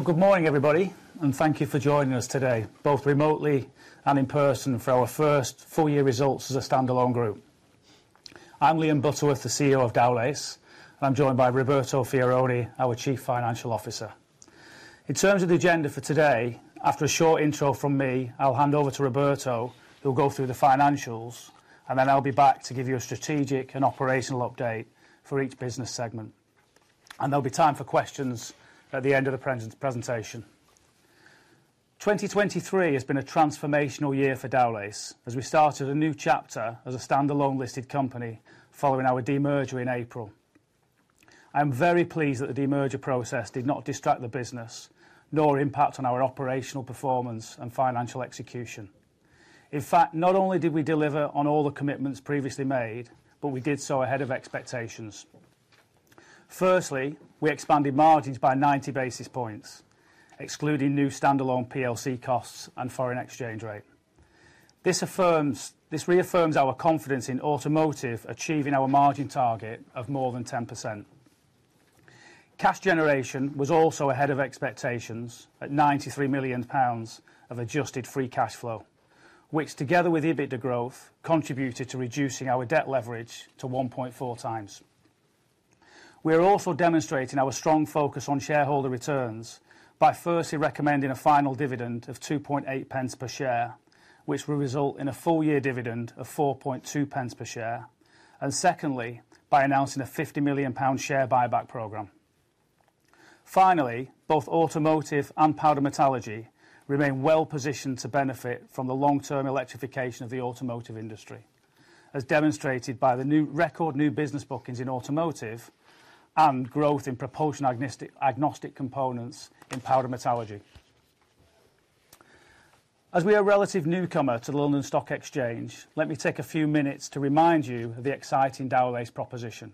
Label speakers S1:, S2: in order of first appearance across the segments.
S1: Good morning, everybody, and thank you for joining us today, both remotely and in person, for our first full-year results as a standalone group. I'm Liam Butterworth, the CEO of Dowlais, and I'm joined by Roberto Fioroni, our Chief Financial Officer. In terms of the agenda for today, after a short intro from me, I'll hand over to Roberto, who'll go through the financials, and then I'll be back to give you a strategic and operational update for each business segment. There'll be time for questions at the end of the presentation. 2023 has been a transformational year for Dowlais as we started a new chapter as a standalone listed company following our demerger in April. I am very pleased that the demerger process did not distract the business nor impact on our operational performance and financial execution. In fact, not only did we deliver on all the commitments previously made, but we did so ahead of expectations. Firstly, we expanded margins by 90 basis points, excluding new standalone PLC costs and foreign exchange rate. This reaffirms our confidence in Automotive achieving our margin target of more than 10%. Cash generation was also ahead of expectations at 93 million pounds of adjusted free cash flow, which, together with EBITDA growth, contributed to reducing our debt leverage to 1.4 times. We are also demonstrating our strong focus on shareholder returns by firstly recommending a final dividend of 2.8 per share, which will result in a full-year dividend of 4.2 per share, and secondly by announcing a 50 million pound share buyback program. Finally, both Automotive and Powder Metallurgy remain well positioned to benefit from the long-term electrification of the Automotive industry, as demonstrated by the record new business bookings in Automotive and growth in propulsion agnostic components in Powder Metallurgy. As we are a relative newcomer to the London Stock Exchange, let me take a few minutes to remind you of the exciting Dowlais proposition.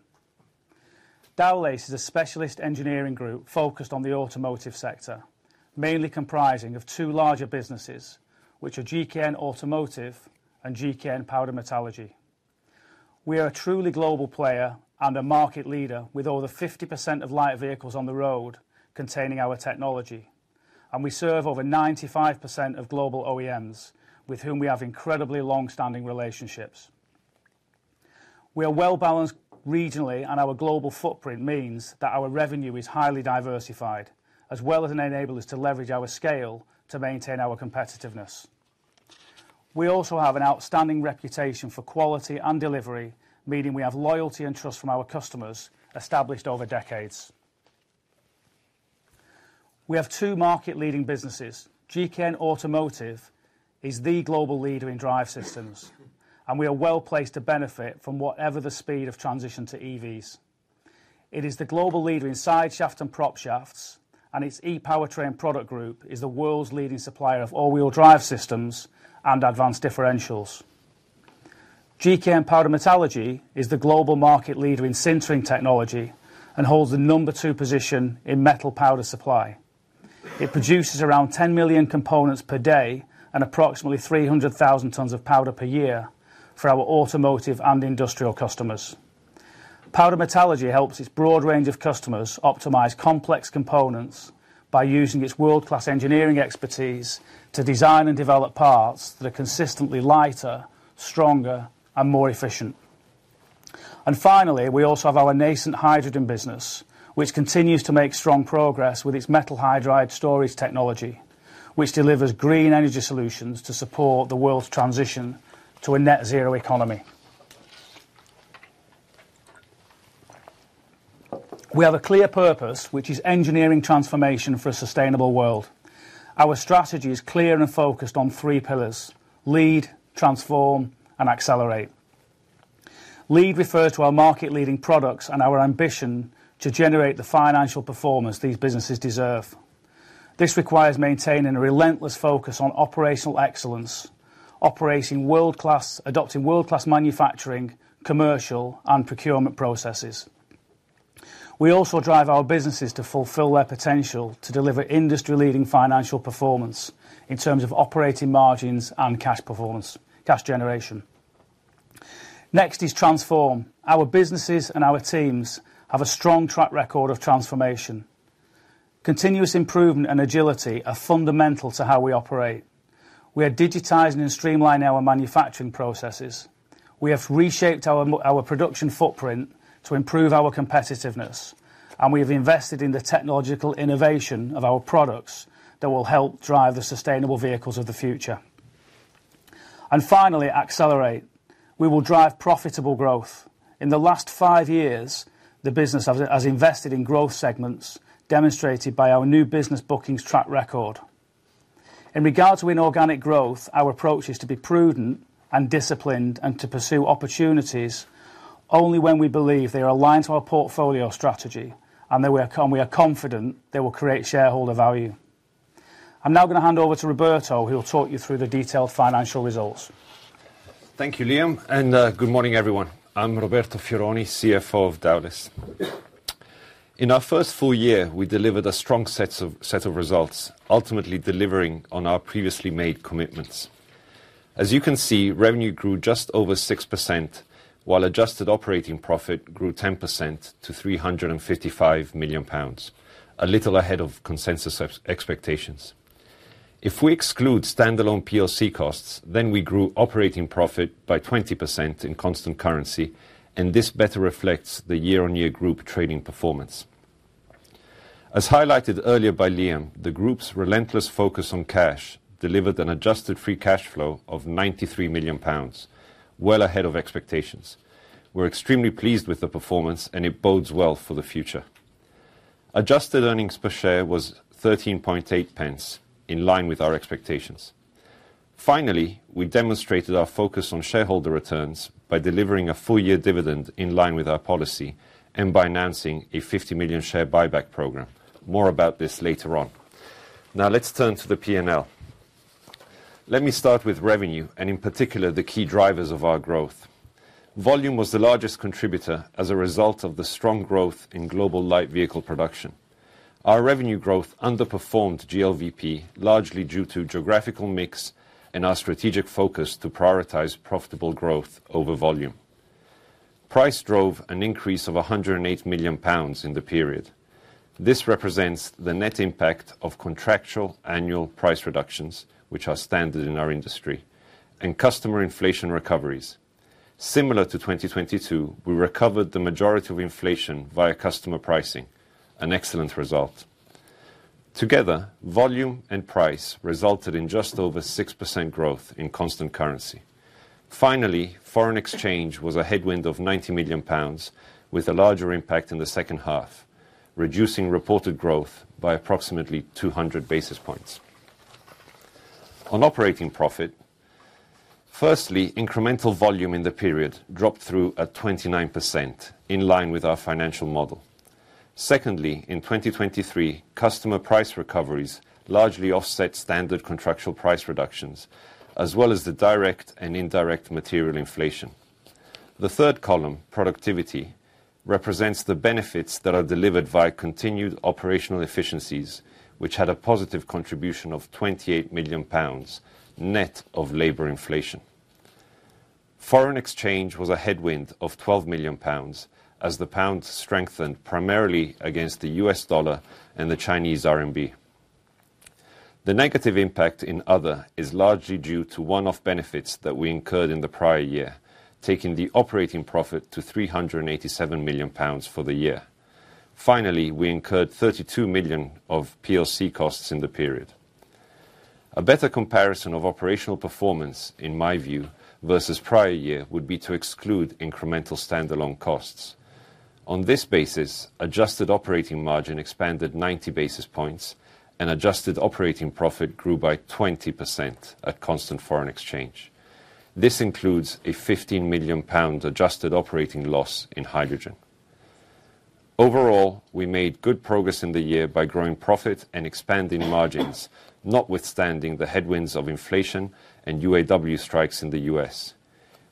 S1: Dowlais is a specialist engineering group focused on the Automotive sector, mainly comprising of two larger businesses, which are GKN Automotive and GKN Powder Metallurgy. We are a truly global player and a market leader with over 50% of light vehicles on the road containing our technology, and we serve over 95% of global OEMs, with whom we have incredibly longstanding relationships. We are well balanced regionally, and our global footprint means that our revenue is highly diversified, as well as an enabler to leverage our scale to maintain our competitiveness. We also have an outstanding reputation for quality and delivery, meaning we have loyalty and trust from our customers established over decades. We have two market-leading businesses. GKN Automotive is the global leader in drive systems, and we are well placed to benefit from whatever the speed of transition to EVs. It is the global leader in sideshafts and propshafts, and its ePowertrain product group is the world's leading supplier of all-wheel drive systems and advanced differentials. GKN Powder Metallurgy is the global market leader in sintering technology and holds the number two position in metal powder supply. It produces around 10 million components per day and approximately 300,000 tonnes of powder per year for our Automotive and industrial customers. Powder Metallurgy helps its broad range of customers optimize complex components by using its world-class engineering expertise to design and develop parts that are consistently lighter, stronger, and more efficient. And finally, we also have our nascent hydrogen business, which continues to make strong progress with its metal hydride storage technology, which delivers green energy solutions to support the world's transition to a net-zero economy. We have a clear purpose, which is engineering transformation for a sustainable world. Our strategy is clear and focused on three pillars: lead, transform, and accelerate. Lead refers to our market-leading products and our ambition to generate the financial performance these businesses deserve. This requires maintaining a relentless focus on operational excellence, adopting world-class manufacturing, commercial, and procurement processes. We also drive our businesses to fulfill their potential to deliver industry-leading financial performance in terms of operating margins and cash generation. Next is transform. Our businesses and our teams have a strong track record of transformation. Continuous improvement and agility are fundamental to how we operate. We are digitizing and streamlining our manufacturing processes. We have reshaped our production footprint to improve our competitiveness, and we have invested in the technological innovation of our products that will help drive the sustainable vehicles of the future. Finally, accelerate. We will drive profitable growth. In the last five years, the business has invested in growth segments demonstrated by our new business bookings track record. In regards to inorganic growth, our approach is to be prudent and disciplined and to pursue opportunities only when we believe they are aligned to our portfolio strategy and that we are confident they will create shareholder value. I'm now going to hand over to Roberto, who will talk you through the detailed financial results.
S2: Thank you, Liam. Good morning, everyone. I'm Roberto Fioroni, CFO of Dowlais. In our first full year, we delivered a strong set of results, ultimately delivering on our previously made commitments. As you can see, revenue grew just over 6%, while adjusted operating profit grew 10% to 355 million pounds, a little ahead of consensus expectations. If we exclude standalone PLC costs, then we grew operating profit by 20% in constant currency, and this better reflects the year-on-year group trading performance. As highlighted earlier by Liam, the group's relentless focus on cash delivered an adjusted free cash flow of 93 million pounds, well ahead of expectations. We're extremely pleased with the performance, and it bodes well for the future. Adjusted earnings per share was 13.8, in line with our expectations. Finally, we demonstrated our focus on shareholder returns by delivering a full-year dividend in line with our policy and financing a 50 million share buyback program. More about this later on. Now, let's turn to the P&L. Let me start with revenue, and in particular, the key drivers of our growth. Volume was the largest contributor as a result of the strong growth in Global Light Vehicle Production. Our revenue growth underperformed GLVP, largely due to geographical mix and our strategic focus to prioritize profitable growth over volume. Price drove an increase of 108 million pounds in the period. This represents the net impact of contractual annual price reductions, which are standard in our industry, and customer inflation recoveries. Similar to 2022, we recovered the majority of inflation via customer pricing, an excellent result. Together, volume and price resulted in just over 6% growth in constant currency. Finally, foreign exchange was a headwind of 90 million pounds, with a larger impact in the second half, reducing reported growth by approximately 200 basis points. On operating profit, firstly, incremental volume in the period dropped through at 29%, in line with our financial model. Secondly, in 2023, customer price recoveries largely offset standard contractual price reductions, as well as the direct and indirect material inflation. The third column, productivity, represents the benefits that are delivered via continued operational efficiencies, which had a positive contribution of 28 million pounds, net of labor inflation. Foreign exchange was a headwind of 12 million pounds, as the pound strengthened primarily against the U.S. dollar and the Chinese RMB. The negative impact in other is largely due to one-off benefits that we incurred in the prior year, taking the operating profit to 387 million pounds for the year. Finally, we incurred 32 million of PLC costs in the period. A better comparison of operational performance, in my view, versus prior year would be to exclude incremental standalone costs. On this basis, adjusted operating margin expanded 90 basis points, and adjusted operating profit grew by 20% at constant foreign exchange. This includes a 15 million pounds adjusted operating loss in hydrogen. Overall, we made good progress in the year by growing profit and expanding margins, notwithstanding the headwinds of inflation and UAW strikes in the U.S.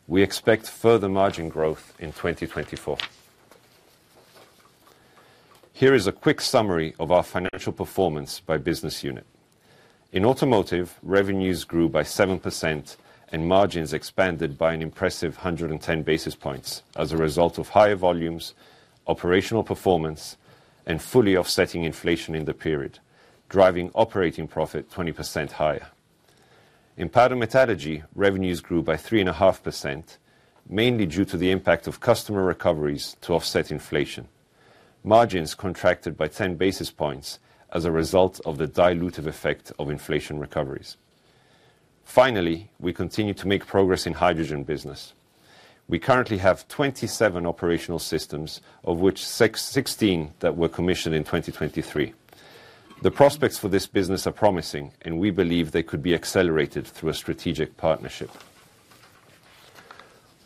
S2: We expect further margin growth in 2024. Here is a quick summary of our financial performance by business unit. In Automotive, revenues grew by 7%, and margins expanded by an impressive 110 basis points as a result of higher volumes, operational performance, and fully offsetting inflation in the period, driving operating profit 20% higher. In Powder Metallurgy, revenues grew by 3.5%, mainly due to the impact of customer recoveries to offset inflation. Margins contracted by 10 basis points as a result of the dilutive effect of inflation recoveries. Finally, we continue to make progress in hydrogen business. We currently have 27 operational systems, of which 16 that were commissioned in 2023. The prospects for this business are promising, and we believe they could be accelerated through a strategic partnership.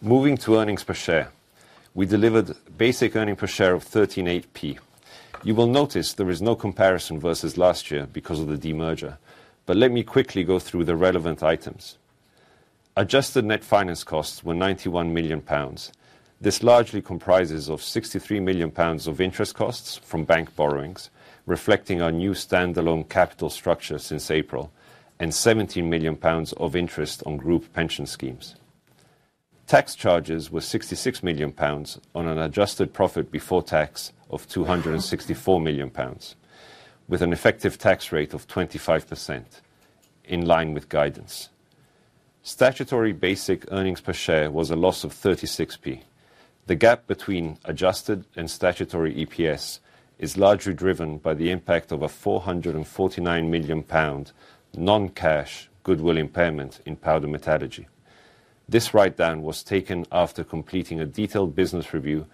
S2: Moving to earnings per share, we delivered basic earnings per share of 13.8p. You will notice there is no comparison versus last year because of the demerger, but let me quickly go through the relevant items. Adjusted net finance costs were 91 million pounds. This largely comprises of 63 million pounds of interest costs from bank borrowings, reflecting our new standalone capital structure since April, and 17 million pounds of interest on group pension schemes. Tax charges were 66 million pounds on an adjusted profit before tax of 264 million pounds, with an effective tax rate of 25%, in line with guidance. Statutory basic earnings per share was a loss of 36p. The gap between adjusted and statutory EPS is largely driven by the impact of a 449 million pound non-cash goodwill impairment in Powder Metallurgy. This write-down was taken after completing a detailed business review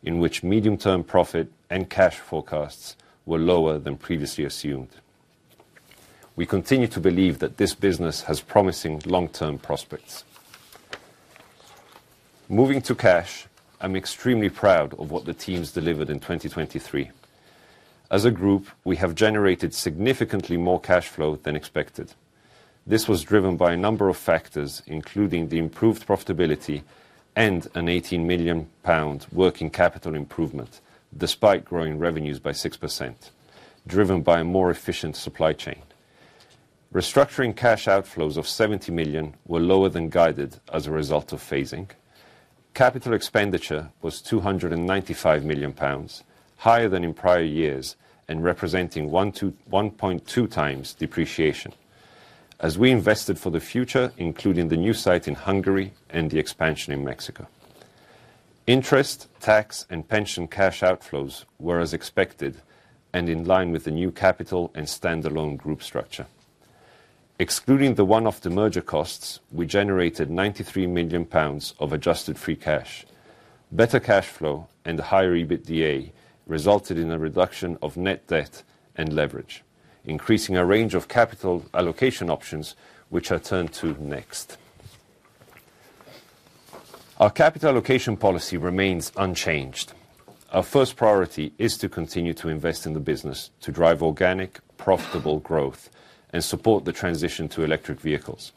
S2: in which medium-term profit and cash forecasts were lower than previously assumed. We continue to believe that this business has promising long-term prospects. Moving to cash, I'm extremely proud of what the teams delivered in 2023. As a group, we have generated significantly more cash flow than expected. This was driven by a number of factors, including the improved profitability and a 18 million pound working capital improvement, despite growing revenues by 6%, driven by a more efficient supply chain. Restructuring cash outflows of 70 million were lower than guided as a result of phasing. Capital expenditure was 295 million pounds, higher than in prior years and representing 1.2 times depreciation, as we invested for the future, including the new site in Hungary and the expansion in Mexico. Interest, tax, and pension cash outflows were as expected and in line with the new capital and standalone group structure. Excluding the one-off demerger costs, we generated 93 million pounds of adjusted free cash. Better cash flow and a higher EBITDA resulted in a reduction of net debt and leverage, increasing our range of capital allocation options, which I'll turn to next. Our capital allocation policy remains unchanged. Our first priority is to continue to invest in the business to drive organic, profitable growth and support the transition to electric vehicles.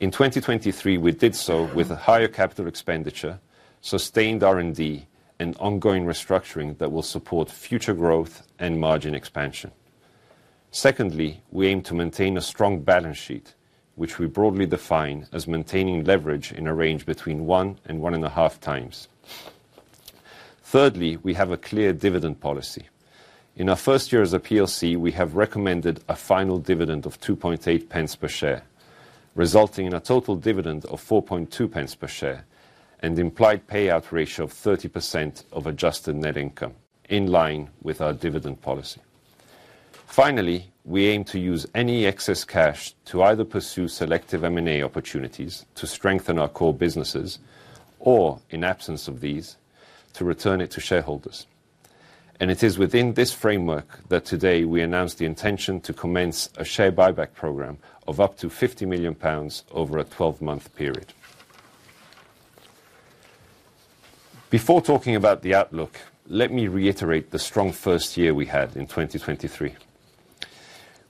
S2: In 2023, we did so with a higher capital expenditure, sustained R&D, and ongoing restructuring that will support future growth and margin expansion. Secondly, we aim to maintain a strong balance sheet, which we broadly define as maintaining leverage in a range between 1 times and 1.5 times. Thirdly, we have a clear dividend policy. In our first year as a PLC, we have recommended a final dividend of 2.8 per share, resulting in a total dividend of 4.2 per share and implied payout ratio of 30% of adjusted net income, in line with our dividend policy. Finally, we aim to use any excess cash to either pursue selective M&A opportunities to strengthen our core businesses, or, in absence of these, to return it to shareholders. It is within this framework that today we announced the intention to commence a share buyback program of up to 50 million pounds over a 12-month period. Before talking about the outlook, let me reiterate the strong first year we had in 2023.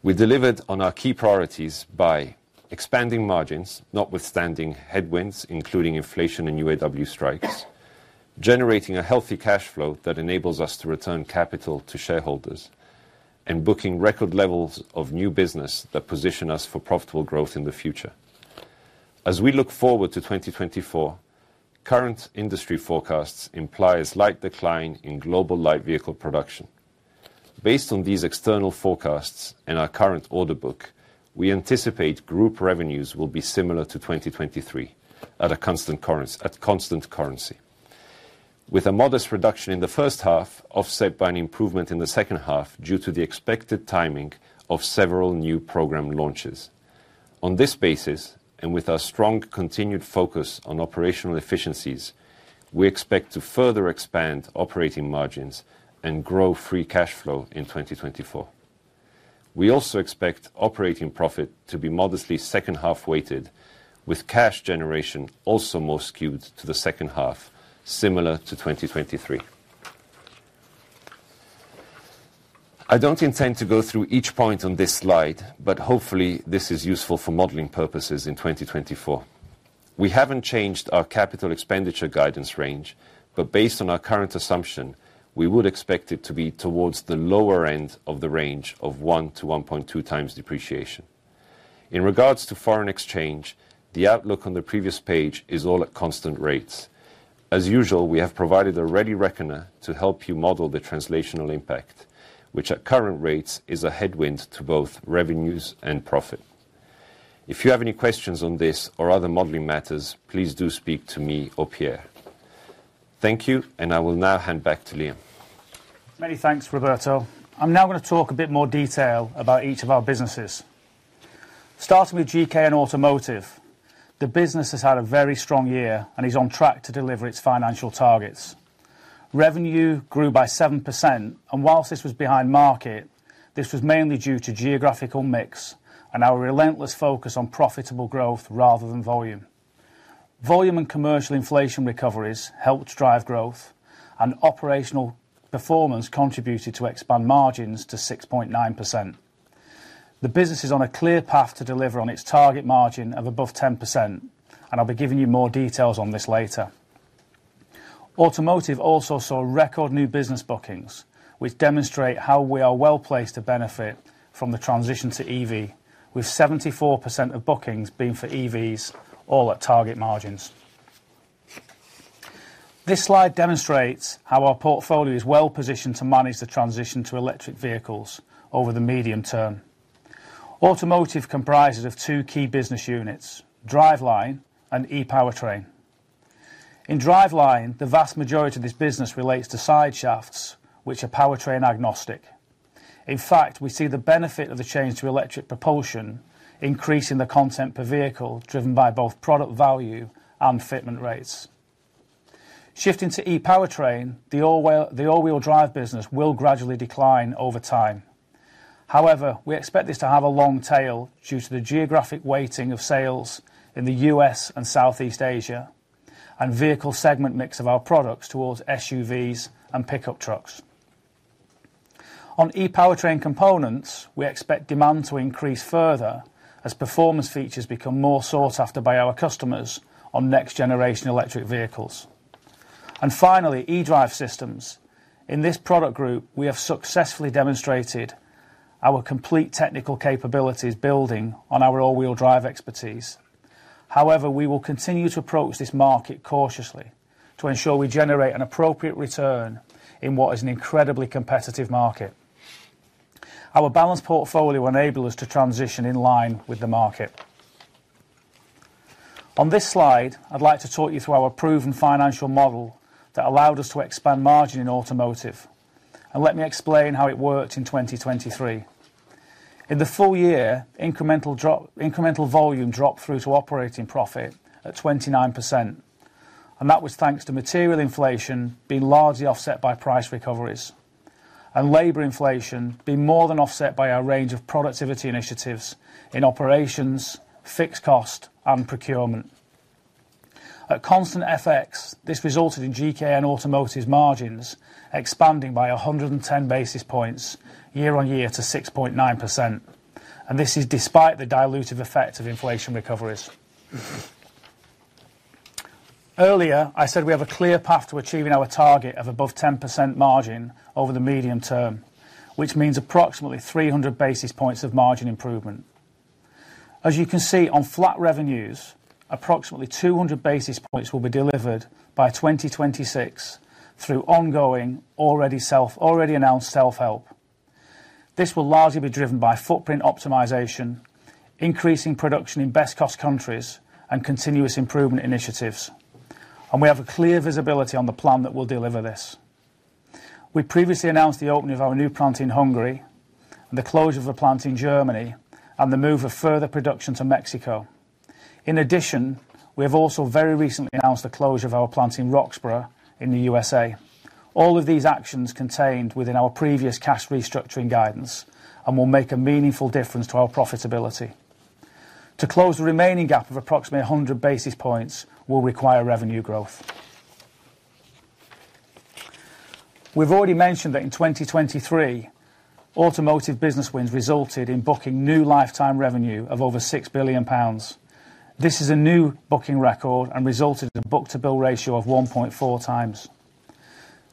S2: We delivered on our key priorities by: expanding margins, notwithstanding headwinds including inflation and UAW strikes, generating a healthy cash flow that enables us to return capital to shareholders, and booking record levels of new business that position us for profitable growth in the future. As we look forward to 2024, current industry forecasts imply a slight decline in global light vehicle production. Based on these external forecasts and our current order book, we anticipate group revenues will be similar to 2023 at constant currency, with a modest reduction in the first half offset by an improvement in the second half due to the expected timing of several new program launches. On this basis, and with our strong continued focus on operational efficiencies, we expect to further expand operating margins and grow free cash flow in 2024. We also expect operating profit to be modestly second-half weighted, with cash generation also more skewed to the second half, similar to 2023. I don't intend to go through each point on this slide, but hopefully this is useful for modeling purposes in 2024. We haven't changed our capital expenditure guidance range, but based on our current assumption, we would expect it to be towards the lower end of the range of 1-1.2 times depreciation. In regards to foreign exchange, the outlook on the previous page is all at constant rates. As usual, we have provided a ready reckoner to help you model the translational impact, which at current rates is a headwind to both revenues and profit. If you have any questions on this or other modeling matters, please do speak to me or Pierre. Thank you, and I will now hand back to Liam.
S1: Many thanks, Roberto. I'm now going to talk a bit more detail about each of our businesses. Starting with GKN Automotive, the business has had a very strong year, and it's on track to deliver its financial targets. Revenue grew by 7%, and while this was behind market, this was mainly due to geographical mix and our relentless focus on profitable growth rather than volume. Volume and commercial inflation recoveries helped drive growth, and operational performance contributed to expand margins to 6.9%. The business is on a clear path to deliver on its target margin of above 10%, and I'll be giving you more details on this later. Automotive also saw record new business bookings, which demonstrate how we are well placed to benefit from the transition to EV, with 74% of bookings being for EVs, all at target margins. This slide demonstrates how our portfolio is well positioned to manage the transition to electric vehicles over the medium term. Automotive comprises of two key business units: Driveline and ePowertrain. In Driveline, the vast majority of this business relates to side shafts, which are powertrain agnostic. In fact, we see the benefit of the change to electric propulsion increasing the content per vehicle driven by both product value and fitment rates. Shifting to ePowertrain, the all-wheel drive business will gradually decline over time. However, we expect this to have a long tail due to the geographic weighting of sales in the U.S. and Southeast Asia, and vehicle segment mix of our products towards SUVs and pickup trucks. On ePowertrain components, we expect demand to increase further as performance features become more sought after by our customers on next-generation electric vehicles. And finally, eDrive systems. In this product group, we have successfully demonstrated our complete technical capabilities building on our all-wheel drive expertise. However, we will continue to approach this market cautiously to ensure we generate an appropriate return in what is an incredibly competitive market. Our balanced portfolio enables us to transition in line with the market. On this slide, I'd like to talk you through our proven financial model that allowed us to expand margin in Automotive, and let me explain how it worked in 2023. In the full year, incremental volume dropped through to operating profit at 29%, and that was thanks to material inflation being largely offset by price recoveries, and labor inflation being more than offset by our range of productivity initiatives in operations, fixed cost, and procurement. At constant FX, this resulted in GKN Automotive's margins expanding by 110 basis points year-on-year to 6.9%, and this is despite the dilutive effect of inflation recoveries. Earlier, I said we have a clear path to achieving our target of above 10% margin over the medium term, which means approximately 300 basis points of margin improvement. As you can see on flat revenues, approximately 200 basis points will be delivered by 2026 through ongoing, already announced self-help. This will largely be driven by footprint optimization, increasing production in best-cost countries, and continuous improvement initiatives, and we have a clear visibility on the plan that will deliver this. We previously announced the opening of our new plant in Hungary, the closure of the plant in Germany, and the move of further production to Mexico. In addition, we have also very recently announced the closure of our plant in Roxboro in the USA. All of these actions contained within our previous cash restructuring guidance and will make a meaningful difference to our profitability. To close the remaining gap of approximately 100 basis points, we'll require revenue growth. We've already mentioned that in 2023, Automotive business wins resulted in booking new lifetime revenue of over 6 billion pounds. This is a new booking record and resulted in a book-to-bill ratio of 1.4 times.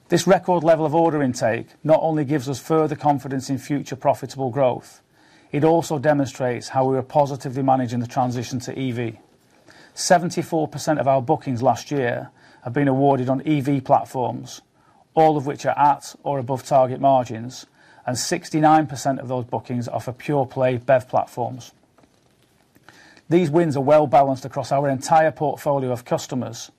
S1: This record level of order intake not only gives us further confidence in future profitable growth, it also demonstrates how we are positively managing the transition to EV. 74% of our bookings last year have been awarded on EV platforms, all of which are at or above target margins, and 69% of those bookings are for pure-play BEV platforms. These wins are well balanced across our entire portfolio of customers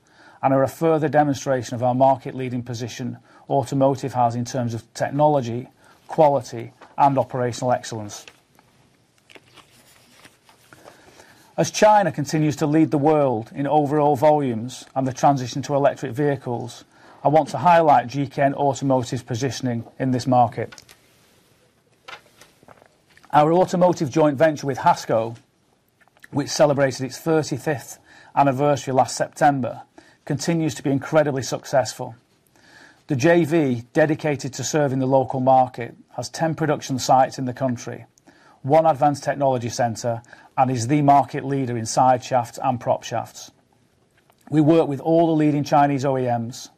S1: and are a further demonstration of our market-leading position Automotive has in terms of technology, quality, and operational excellence. As China continues to lead the world in overall volumes and the transition to electric vehicles, I want to highlight GKN Automotive's positioning in this market. Our Automotive joint venture with HASCO, which celebrated its 35th anniversary last September, continues to be incredibly successful. The JV, dedicated to serving the local market, has 10 production sites in the country, one advanced technology center, and is the market leader in side shafts and prop shafts. We work with all the leading Chinese OEMs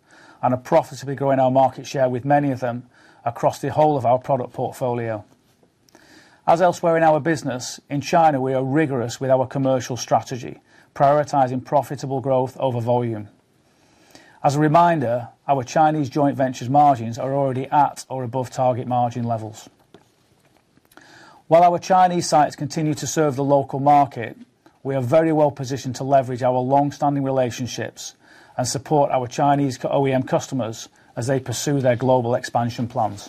S1: and are profitably growing our market share with many of them across the whole of our product portfolio. As elsewhere in our business, in China we are rigorous with our commercial strategy, prioritizing profitable growth over volume. As a reminder, our Chinese joint venture's margins are already at or above target margin levels. While our Chinese sites continue to serve the local market, we are very well positioned to leverage our longstanding relationships and support our Chinese OEM customers as they pursue their global expansion plans.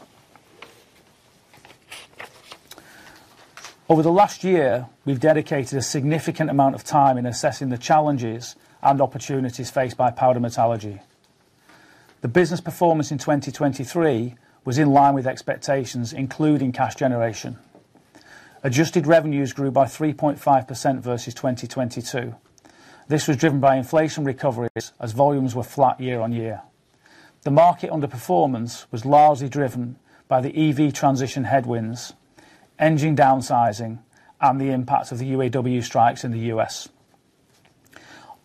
S1: Over the last year, we've dedicated a significant amount of time in assessing the challenges and opportunities faced by Powder Metallurgy. The business performance in 2023 was in line with expectations, including cash generation. Adjusted revenues grew by 3.5% versus 2022. This was driven by inflation recoveries as volumes were flat year-on-year. The market underperformance was largely driven by the EV transition headwinds, engine downsizing, and the impact of the UAW strikes in the U.S.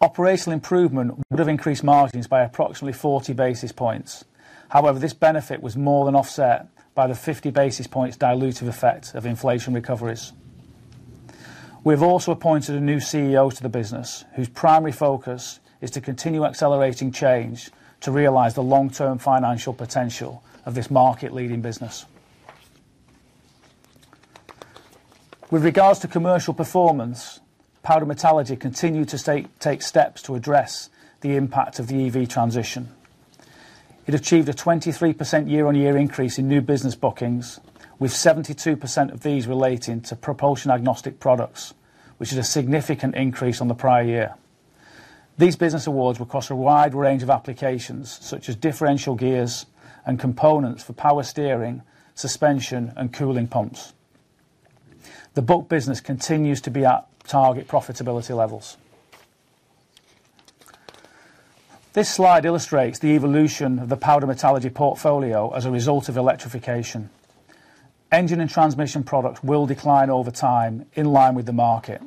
S1: Operational improvement would have increased margins by approximately 40 basis points. However, this benefit was more than offset by the 50 basis points dilutive effect of inflation recoveries. We have also appointed a new CEO to the business, whose primary focus is to continue accelerating change to realize the long-term financial potential of this market-leading business. With regards to commercial performance, Powder Metallurgy continued to take steps to address the impact of the EV transition. It achieved a 23% year-on-year increase in new business bookings, with 72% of these relating to propulsion agnostic products, which is a significant increase on the prior year. These business awards were across a wide range of applications, such as differential gears and components for power steering, suspension, and cooling pumps. The book business continues to be at target profitability levels. This slide illustrates the evolution of the Powder Metallurgy portfolio as a result of electrification. Engine and transmission products will decline over time in line with the market.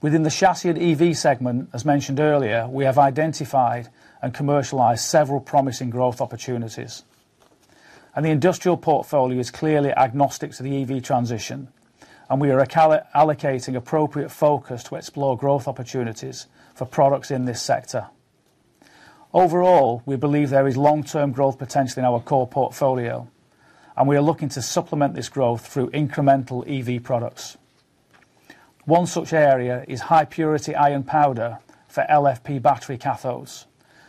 S1: Within the chassis and EV segment, as mentioned earlier, we have identified and commercialized several promising growth opportunities. The industrial portfolio is clearly agnostic to the EV transition, and we are allocating appropriate focus to explore growth opportunities for products in this sector. Overall, we believe there is long-term growth potential in our core portfolio, and we are looking to supplement this growth through incremental EV products. One such area is high-purity iron powder for LFP battery cathodes,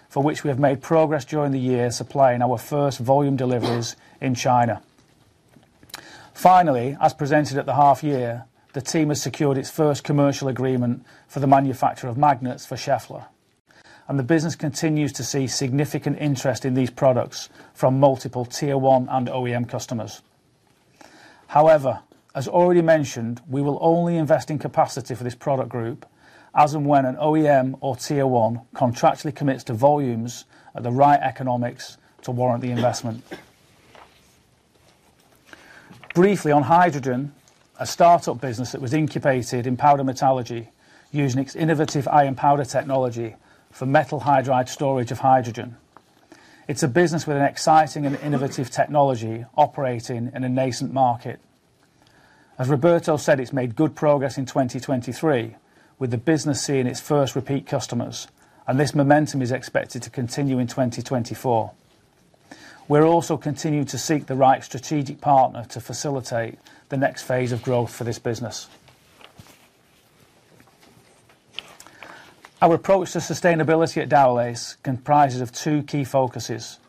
S1: for which we have made progress during the year supplying our first volume deliveries in China. Finally, as presented at the half-year, the team has secured its first commercial agreement for the manufacture of magnets for Schaeffler, and the business continues to see significant interest in these products from multiple Tier 1 and OEM customers. However, as already mentioned, we will only invest in capacity for this product group as and when an OEM or Tier 1 contractually commits to volumes at the right economics to warrant the investment. Briefly, on hydrogen, a startup business that was incubated in Powder Metallurgy using its innovative iron powder technology for metal hydride storage of hydrogen. It's a business with an exciting and innovative technology operating in a nascent market. As Roberto said, it's made good progress in 2023, with the business seeing its first repeat customers, and this momentum is expected to continue in 2024. We're also continuing to seek the right strategic partner to facilitate the next phase of growth for this business. Our approach to sustainability at Dowlais comprises of two key focuses: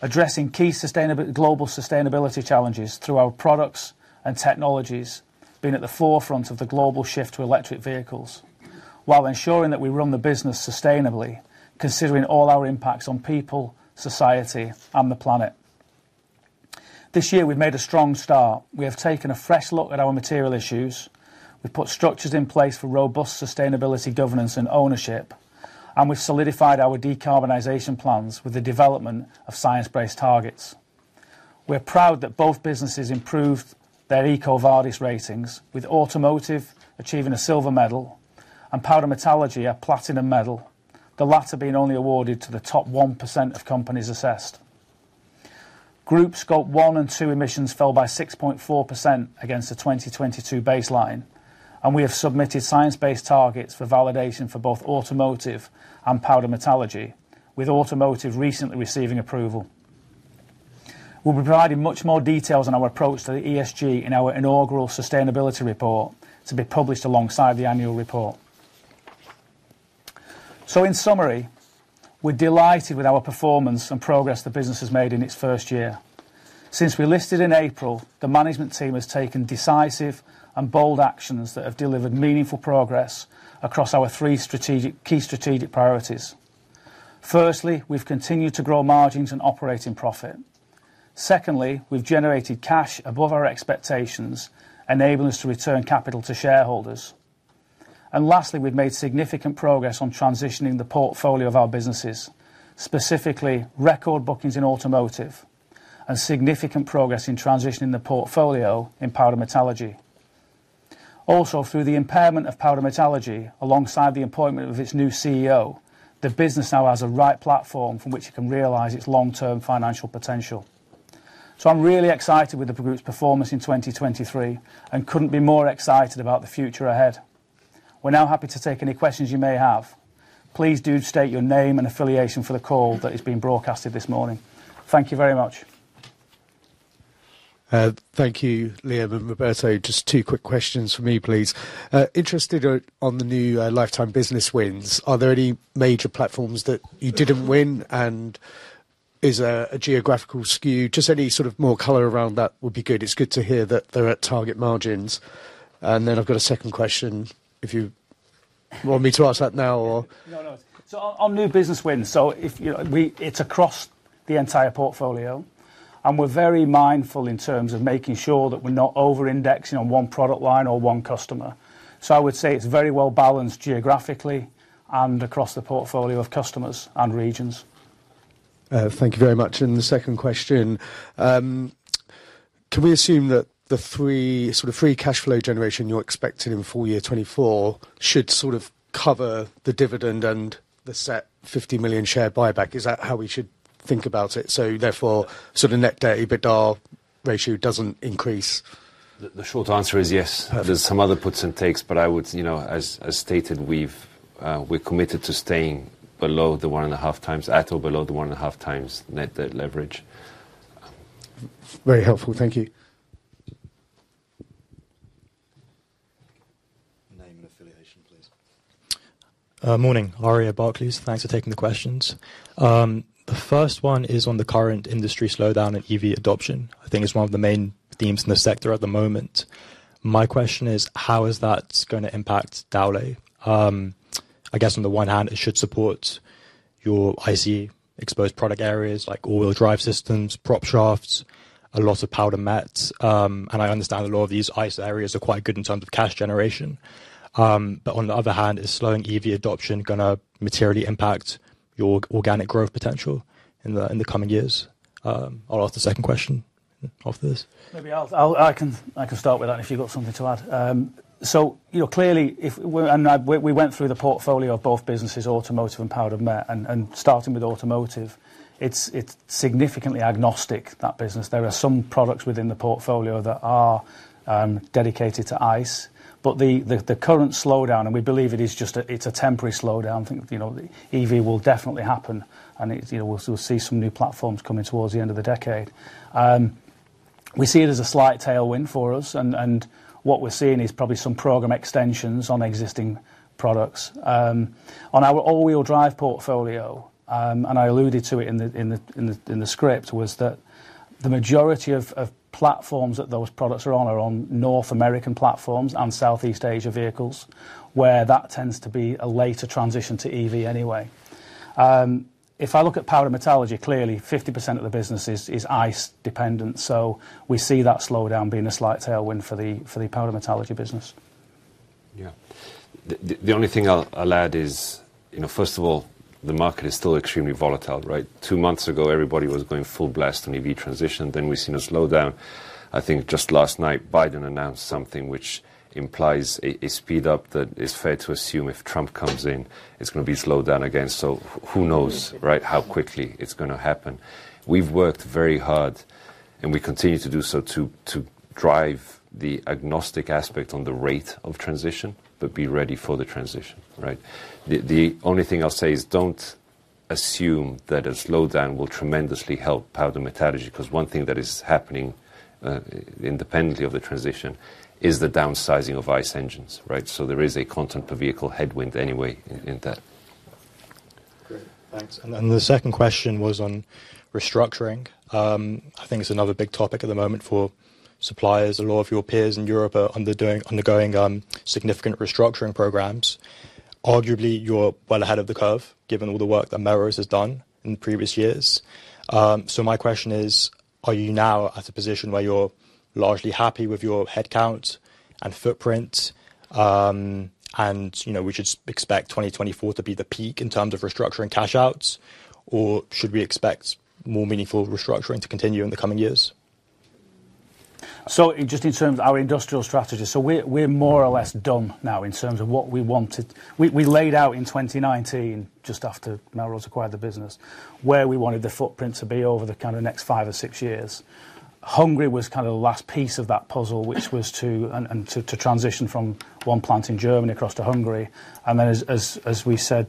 S1: addressing key global sustainability challenges through our products and technologies, being at the forefront of the global shift to electric vehicles, while ensuring that we run the business sustainably, considering all our impacts on people, society, and the planet. This year we've made a strong start. We have taken a fresh look at our material issues. We've put structures in place for robust sustainability governance and ownership, and we've solidified our decarbonization plans with the development of science-based targets. We're proud that both businesses improved their EcoVadis ratings, with Automotive achieving a silver medal and Powder Metallurgy a platinum medal, the latter being only awarded to the top 1% of companies assessed. Group Scope 1 and 2 emissions fell by 6.4% against the 2022 baseline, and we have submitted Science-Based Targets for validation for both Automotive and Powder Metallurgy, with Automotive recently receiving approval. We'll be providing much more details on our approach to the ESG in our inaugural sustainability report to be published alongside the annual report. So in summary, we're delighted with our performance and progress the business has made in its first year. Since we listed in April, the management team has taken decisive and bold actions that have delivered meaningful progress across our three key strategic priorities. Firstly, we've continued to grow margins and operating profit. Secondly, we've generated cash above our expectations, enabling us to return capital to shareholders. And lastly, we've made significant progress on transitioning the portfolio of our businesses, specifically record bookings in Automotive, and significant progress in transitioning the portfolio in Powder metallurgy. Also, through the impairment of Powder Metallurgy alongside the appointment of its new CEO, the business now has a right platform from which it can realize its long-term financial potential. So I'm really excited with the group's performance in 2023 and couldn't be more excited about the future ahead. We're now happy to take any questions you may have. Please do state your name and affiliation for the call that is being broadcasted this morning. Thank you very much.
S2: Thank you, Liam and Roberto. Just two quick questions for me, please. Interested on the new lifetime business wins. Are there any major platforms that you didn't win, and is there a geographical skew? Just any sort of more color around that would be good. It's good to hear that they're at target margins. And then I've got a second question, if you want me to ask that now or.
S1: No, no. So on new business wins, so it's across the entire portfolio, and we're very mindful in terms of making sure that we're not over-indexing on one product line or one customer. So I would say it's very well balanced geographically and across the portfolio of customers and regions.
S3: Thank you very much. And the second question, can we assume that the sort of free cash flow generation you're expecting in full year 2024 should sort of cover the dividend and the set 50 million share buyback? Is that how we should think about it? So therefore, sort of net debt/EBITDA ratio doesn't increase.
S2: The short answer is yes. There's some other puts and takes, but I would, as stated, we're committed to staying below the 1.5x at or below the 1.5x net debt leverage.
S3: Very helpful. Thank you.
S4: Name and affiliation, please.
S5: Morning, Aria Barclays. Thanks for taking the questions. The first one is on the current industry slowdown and EV adoption. I think it's one of the main themes in the sector at the moment. My question is, how is that going to impact Dowlais? I guess on the one hand, it should support your ICE exposed product areas like all-wheel drive systems, prop shafts, a lot of powder mets. I understand a lot of these ICE areas are quite good in terms of cash generation. But on the other hand, is slowing EV adoption going to materially impact your organic growth potential in the coming years? I'll ask the second question after this.
S2: Maybe I can start with that if you've got something to add. So clearly, we went through the portfolio of both businesses, Automotive and Powder Metallurgy, and starting with Automotive, it's significantly agnostic, that business. There are some products within the portfolio that are dedicated to ICE. But the current slowdown, and we believe it is just a temporary slowdown, I think EV will definitely happen, and we'll see some new platforms coming towards the end of the decade. We see it as a slight tailwind for us, and what we're seeing is probably some program extensions on existing products. On our all-wheel drive portfolio, and I alluded to it in the script, was that the majority of platforms that those products are on are on North American platforms and Southeast Asia vehicles, where that tends to be a later transition to EV anyway. If I look at Powder Metallurgy, clearly 50% of the business is ICE dependent. We see that slowdown being a slight tailwind for the Powder Metallurgy business. Yeah. The only thing I'll add is, first of all, the market is still extremely volatile, right? Two months ago, everybody was going full blast on EV transition. Then we've seen a slowdown. I think just last night, Biden announced something which implies a speed-up that is fair to assume if Trump comes in, it's going to be slowed down again. So who knows, right, how quickly it's going to happen? We've worked very hard, and we continue to do so, to drive the agnostic aspect on the rate of transition, but be ready for the transition, right? The only thing I'll say is don't assume that a slowdown will tremendously help Powder Metallurgy because one thing that is happening independently of the transition is the downsizing of ICE engines, right? So there is a content-per-vehicle headwind anyway in that.
S5: Great. Thanks. The second question was on restructuring. I think it's another big topic at the moment for suppliers. A lot of your peers in Europe are undergoing significant restructuring programs. Arguably, you're well ahead of the curve given all the work that Melrose has done in the previous years. So my question is, are you now at a position where you're largely happy with your headcount and footprint, and we should expect 2024 to be the peak in terms of restructuring cash-outs, or should we expect more meaningful restructuring to continue in the coming years?
S2: So just in terms of our industrial strategy, so we're more or less done now in terms of what we wanted. We laid out in 2019, just after Melrose acquired the business, where we wanted the footprint to be over the kind of next five or six years. Hungary was kind of the last piece of that puzzle, which was to transition from one plant in Germany across to Hungary. And then as we said,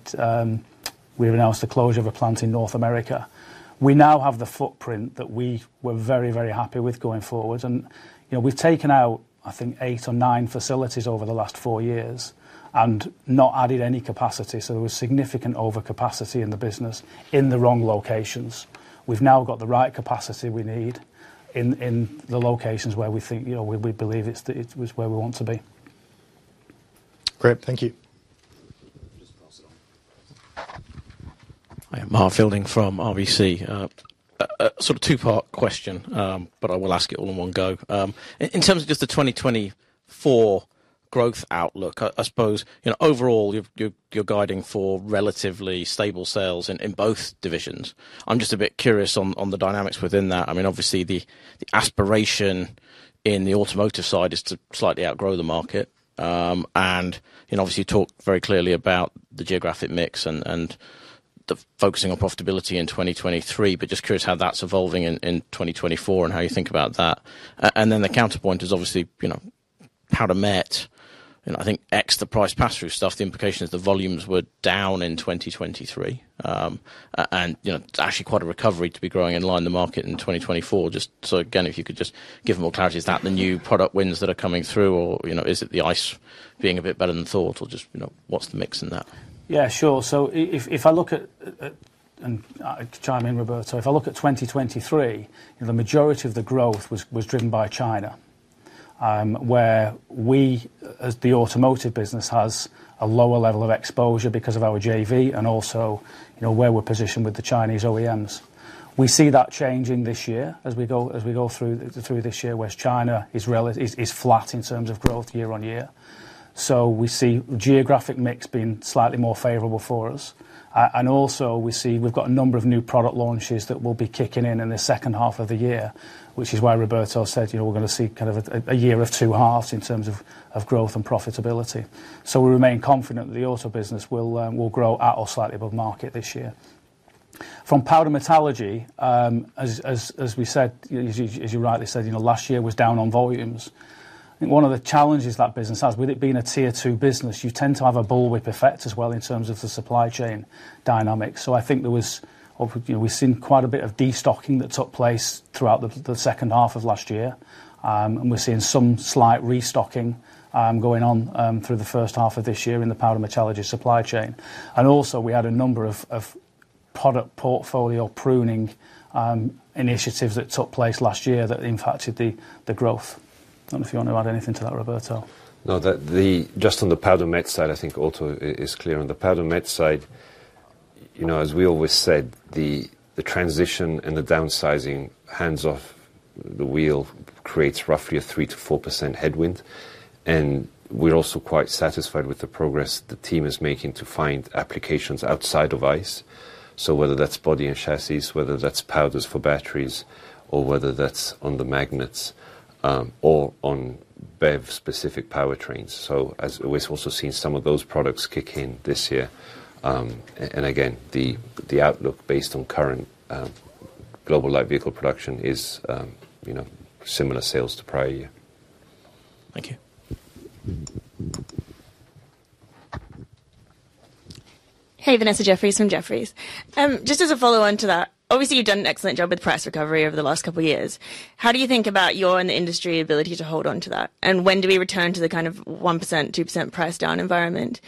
S2: we've announced the closure of a plant in North America. We now have the footprint that we were very, very happy with going forward. And we've taken out, I think, eight or nine facilities over the last four years and not added any capacity. So there was significant overcapacity in the business in the wrong locations. We've now got the right capacity we need in the locations where we think we believe it was where we want to be.
S5: Great. Thank you.
S4: Just pass it on.
S5: Hi, I'm Mark Fielding from RBC. Sort of two-part question, but I will ask it all in one go. In terms of just the 2024 growth outlook, I suppose overall you're guiding for relatively stable sales in both divisions. I'm just a bit curious on the dynamics within that. I mean, obviously, the aspiration in the Automotive side is to slightly outgrow the market. And obviously, you talk very clearly about the geographic mix and the focusing on profitability in 2023, but just curious how that's evolving in 2024 and how you think about that. And then the counterpoint is obviously Powder Met. I think ex the price pass-through stuff, the implication is the volumes were down in 2023. And actually, quite a recovery to be growing in line with the market in 2024. Just so again, if you could just give more clarity, is that the new product wins that are coming through, or is it the ICE being a bit better than thought, or just what's the mix in that?
S1: Yeah, sure. So if I look at and chime in, Roberto. If I look at 2023, the majority of the growth was driven by China, where we, as the Automotive business, have a lower level of exposure because of our JV and also where we're positioned with the Chinese OEMs. We see that changing this year as we go through this year, where China is flat in terms of growth year-on-year. So we see the geographic mix being slightly more favorable for us. And also we see we've got a number of new product launches that will be kicking in in the second half of the year, which is why Roberto said we're going to see kind of a year of two halves in terms of growth and profitability. So we remain confident that the auto business will grow at or slightly above market this year. From Powder Metallurgy, as we said, as you rightly said, last year was down on volumes. I think one of the challenges that business has, with it being a tier two business, you tend to have a bullwhip effect as well in terms of the supply chain dynamics. So I think we've seen quite a bit of destocking that took place throughout the second half of last year. And we're seeing some slight restocking going on through the first half of this year in the Powder Metallurgy supply chain. And also we had a number of product portfolio pruning initiatives that took place last year that impacted the growth. I don't know if you want to add anything to that, Roberto.
S2: No, just on the Powder Mets side, I think also is clear. On the Powder Mets side, as we always said, the transition and the downsizing hands off the wheel creates roughly a 3%-4% headwind. And we're also quite satisfied with the progress the team is making to find applications outside of ICE. So whether that's body and chassis, whether that's powders for batteries, or whether that's on the magnets or on BEV-specific powertrains. So we've also seen some of those products kick in this year. And again, the outlook based on current global light vehicle production is similar sales to prior year.
S6: Thank you.
S5: Hey, Vanessa Jefferies from Jefferies. Just as a follow-on to that, obviously, you've done an excellent job with price recovery over the last couple of years. How do you think about your and the industry ability to hold onto that? And when do we return to the kind of 1%-2% price down environment?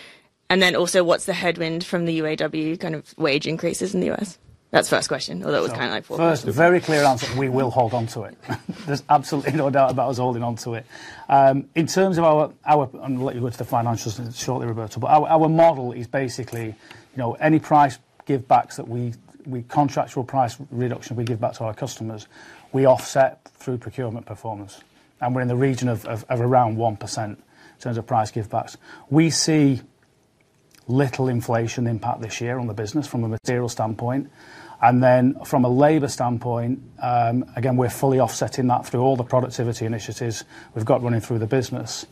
S5: And then also, what's the headwind from the UAW kind of wage increases in the U.S.? That's first question, although it was kind of like four points.
S1: First, a very clear answer. We will hold onto it. There's absolutely no doubt about us holding onto it. In terms of our and I'll let you go to the financials shortly, Roberto. But our model is basically any price give-backs that we contractual price reduction we give back to our customers, we offset through procurement performance. And we're in the region of around 1% in terms of price give-backs. We see little inflation impact this year on the business from a material standpoint. And then from a labor standpoint, again, we're fully offsetting that through all the productivity initiatives we've got running through the business.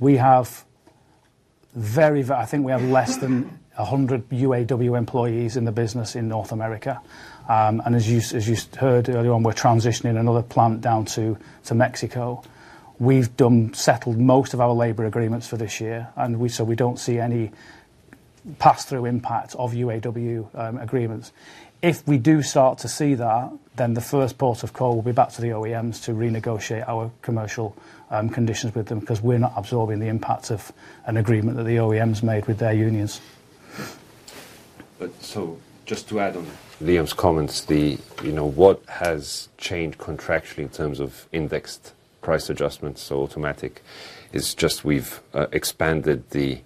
S1: We have very I think we have less than 100 UAW employees in the business in North America. And as you heard earlier on, we're transitioning another plant down to Mexico. We've settled most of our labor agreements for this year, and so we don't see any pass-through impact of UAW agreements. If we do start to see that, then the first port of call will be back to the OEMs to renegotiate our commercial conditions with them because we're not absorbing the impacts of an agreement that the OEMs made with their unions.
S2: So just to add on Liam's comments, what has changed contractually in terms of indexed price adjustments, so automatic, is just we've expanded the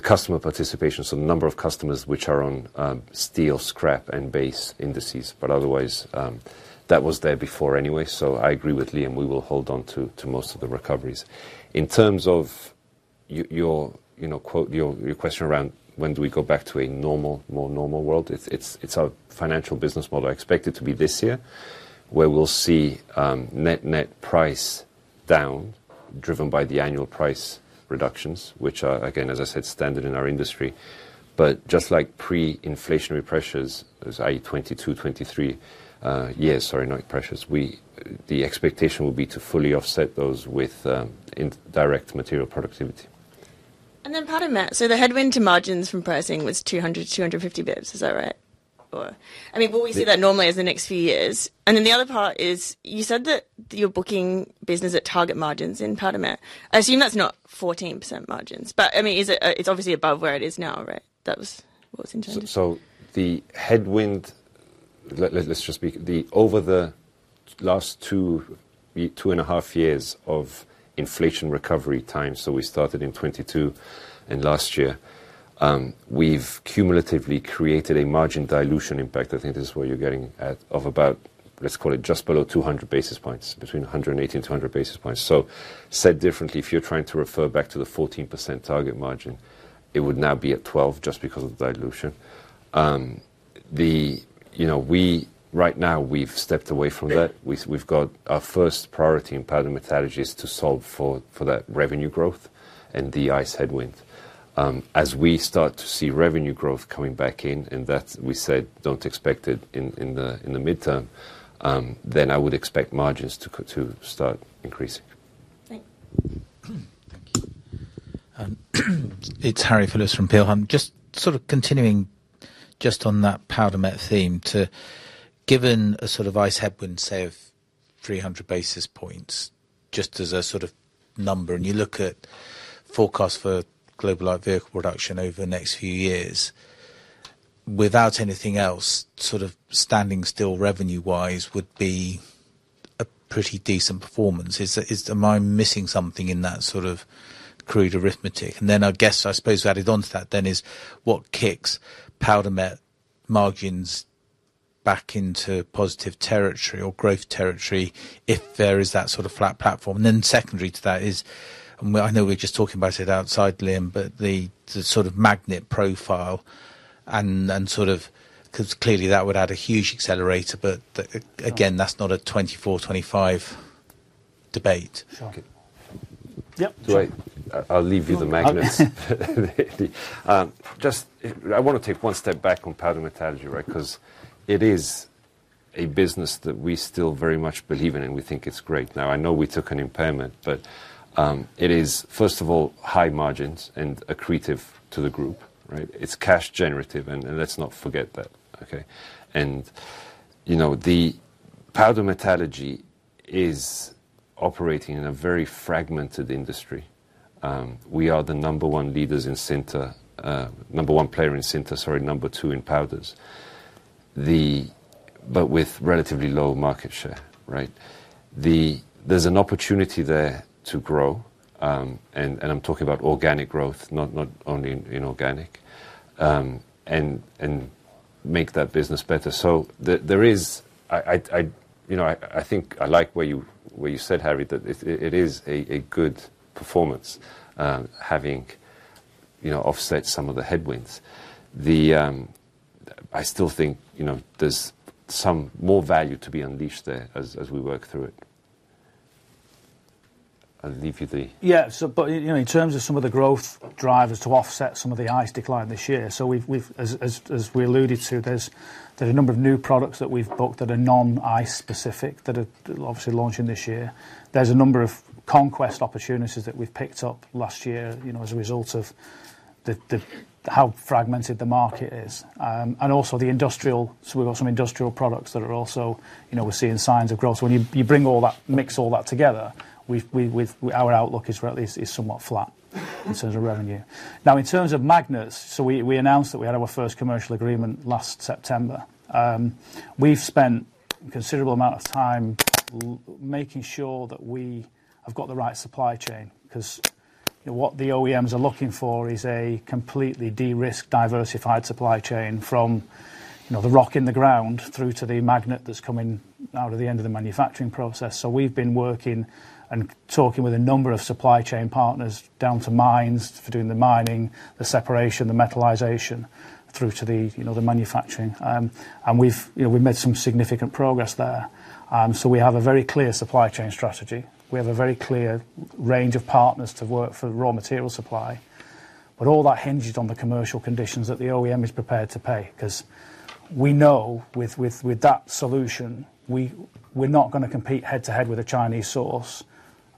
S2: customer participation, so the number of customers which are on steel, scrap, and base indices. But otherwise, that was there before anyway. So I agree with Liam. We will hold onto most of the recoveries. In terms of your question around when do we go back to a normal, more normal world, it's our financial business model. I expect it to be this year, where we'll see net price down driven by the annual price reductions, which are, again, as I said, standard in our industry. But just like pre-inflationary pressures, i.e., 2022, 2023 years sorry, not pressures, the expectation will be to fully offset those with direct material productivity.
S5: Then Powder Met. So the headwind to margins from pricing was 200-250 basis points. Is that right? Or I mean, will we see that normally over the next few years? And then the other part is you said that you're booking business at target margins in Powder Met. I assume that's not 14% margins, but I mean, it's obviously above where it is now, right? That was what was intended.
S2: So the headwind. Let's just speak. Over the last 2.5 years of inflation recovery time, so we started in 2022 and last year, we've cumulatively created a margin dilution impact. I think this is what you're getting at of about, let's call it, just below 200 basis points, between 118 and 200 basis points. So said differently, if you're trying to refer back to the 14% target margin, it would now be at 12 just because of the dilution. Right now, we've stepped away from that. We've got our first priority in Powder Metallurgy is to solve for that revenue growth and the ICE headwind. As we start to see revenue growth coming back in, and that we said don't expect it in the midterm, then I would expect margins to start increasing.
S5: Thank you.
S7: It's Harry Philips from Peel Hunt. Just sort of continuing just on that Powder Met theme to given a sort of ICE headwind, say, of 300 basis points, just as a sort of number, and you look at forecasts for global light vehicle production over the next few years, without anything else, sort of standing still revenue-wise would be a pretty decent performance. Am I missing something in that sort of crude arithmetic? Then I guess I suppose we added onto that then is what kicks Powder Met margins back into positive territory or growth territory if there is that sort of flat platform? Then secondary to that is and I know we're just talking about it outside, Liam, but the sort of magnet profile and sort of because clearly that would add a huge accelerator. But again, that's not a 2024, 2025 debate.
S2: Yep. I'll leave you the magnets. Just, I want to take one step back on Powder Metallurgy, right, because it is a business that we still very much believe in and we think it's great. Now, I know we took an impairment, but it is, first of all, high margins and accretive to the group, right? It's cash-generative, and let's not forget that, okay? And the Powder Metallurgy is operating in a very fragmented industry. We are the number one leaders in sintering, number one player in sintering, sorry, number two in powders, but with relatively low market share, right? There's an opportunity there to grow. And I'm talking about organic growth, not only organic, and make that business better. So there is, I think, I like where you said, Harry, that it is a good performance having offset some of the headwinds. I still think there's some more value to be unleashed there as we work through it. I'll leave you the.
S1: Yeah. But in terms of some of the growth drivers to offset some of the ICE decline this year, so as we alluded to, there's a number of new products that we've booked that are non-ICE specific that are obviously launching this year. There's a number of conquest opportunities that we've picked up last year as a result of how fragmented the market is. And also the industrial, so we've got some industrial products that are also, we're seeing signs of growth. When you bring all that mix all that together, our outlook is somewhat flat in terms of revenue. Now, in terms of magnets, so we announced that we had our first commercial agreement last September. We've spent a considerable amount of time making sure that we have got the right supply chain because what the OEMs are looking for is a completely de-risked, diversified supply chain from the rock in the ground through to the magnet that's coming out at the end of the manufacturing process. So we've been working and talking with a number of supply chain partners down to mines for doing the mining, the separation, the metallization through to the manufacturing. And we've made some significant progress there. So we have a very clear supply chain strategy. We have a very clear range of partners to work for raw material supply. But all that hinges on the commercial conditions that the OEM is prepared to pay because we know with that solution, we're not going to compete head-to-head with a Chinese source.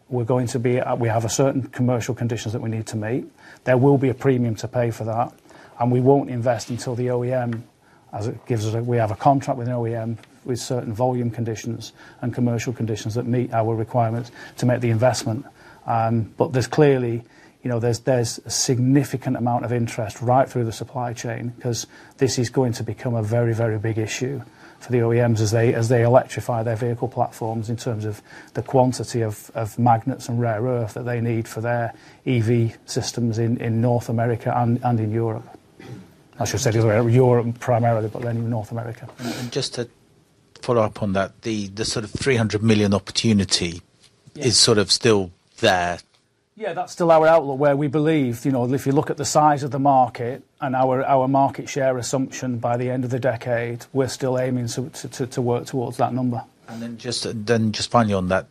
S1: We have certain commercial conditions that we need to meet. There will be a premium to pay for that. And we won't invest until the OEM as it gives us a we have a contract with an OEM with certain volume conditions and commercial conditions that meet our requirements to make the investment. But there's clearly a significant amount of interest right through the supply chain because this is going to become a very, very big issue for the OEMs as they electrify their vehicle platforms in terms of the quantity of magnets and rare earth that they need for their EV systems in North America and in Europe. I should say, Europe, primarily, but then in North America.
S7: Just to follow up on that, the sort of 300 million opportunity is sort of still there?
S2: Yeah, that's still our outlook where we believe if you look at the size of the market and our market share assumption by the end of the decade, we're still aiming to work towards that number.
S7: And then just finally on that,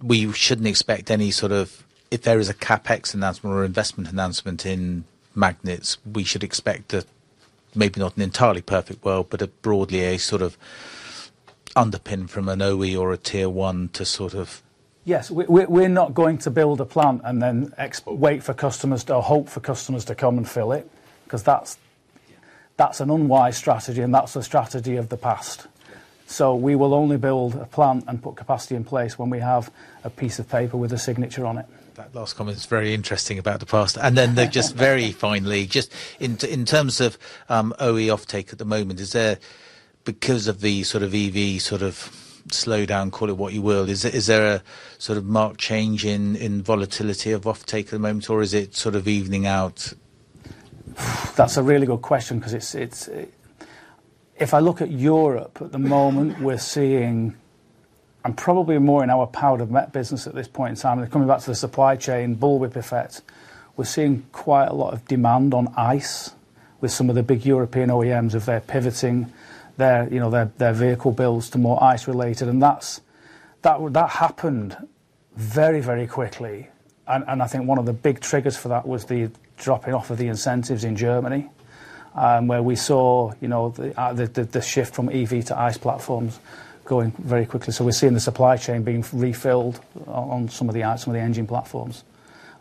S7: we shouldn't expect any sort of if there is a CapEx announcement or investment announcement in magnets, we should expect a—maybe not an entirely perfect world, but broadly a sort of underpin from an OE or a Tier 1 to sort of.
S2: Yes. We're not going to build a plant and then wait for customers to or hope for customers to come and fill it because that's an unwise strategy, and that's a strategy of the past. So we will only build a plant and put capacity in place when we have a piece of paper with a signature on it.
S7: That last comment's very interesting about the past. Then just very finally, just in terms of OE offtake at the moment, is there because of the sort of EV sort of slowdown, call it what you will, is there a sort of marked change in volatility of offtake at the moment, or is it sort of evening out?
S2: That's a really good question because it's if I look at Europe, at the moment, we're seeing and probably more in our Powder Met business at this point in time, coming back to the supply chain bullwhip effect, we're seeing quite a lot of demand on ICE with some of the big European OEMs of their pivoting their vehicle builds to more ICE-related. And that happened very, very quickly. And I think one of the big triggers for that was the dropping off of the incentives in Germany where we saw the shift from EV to ICE platforms going very quickly. So we're seeing the supply chain being refilled on some of the engine platforms.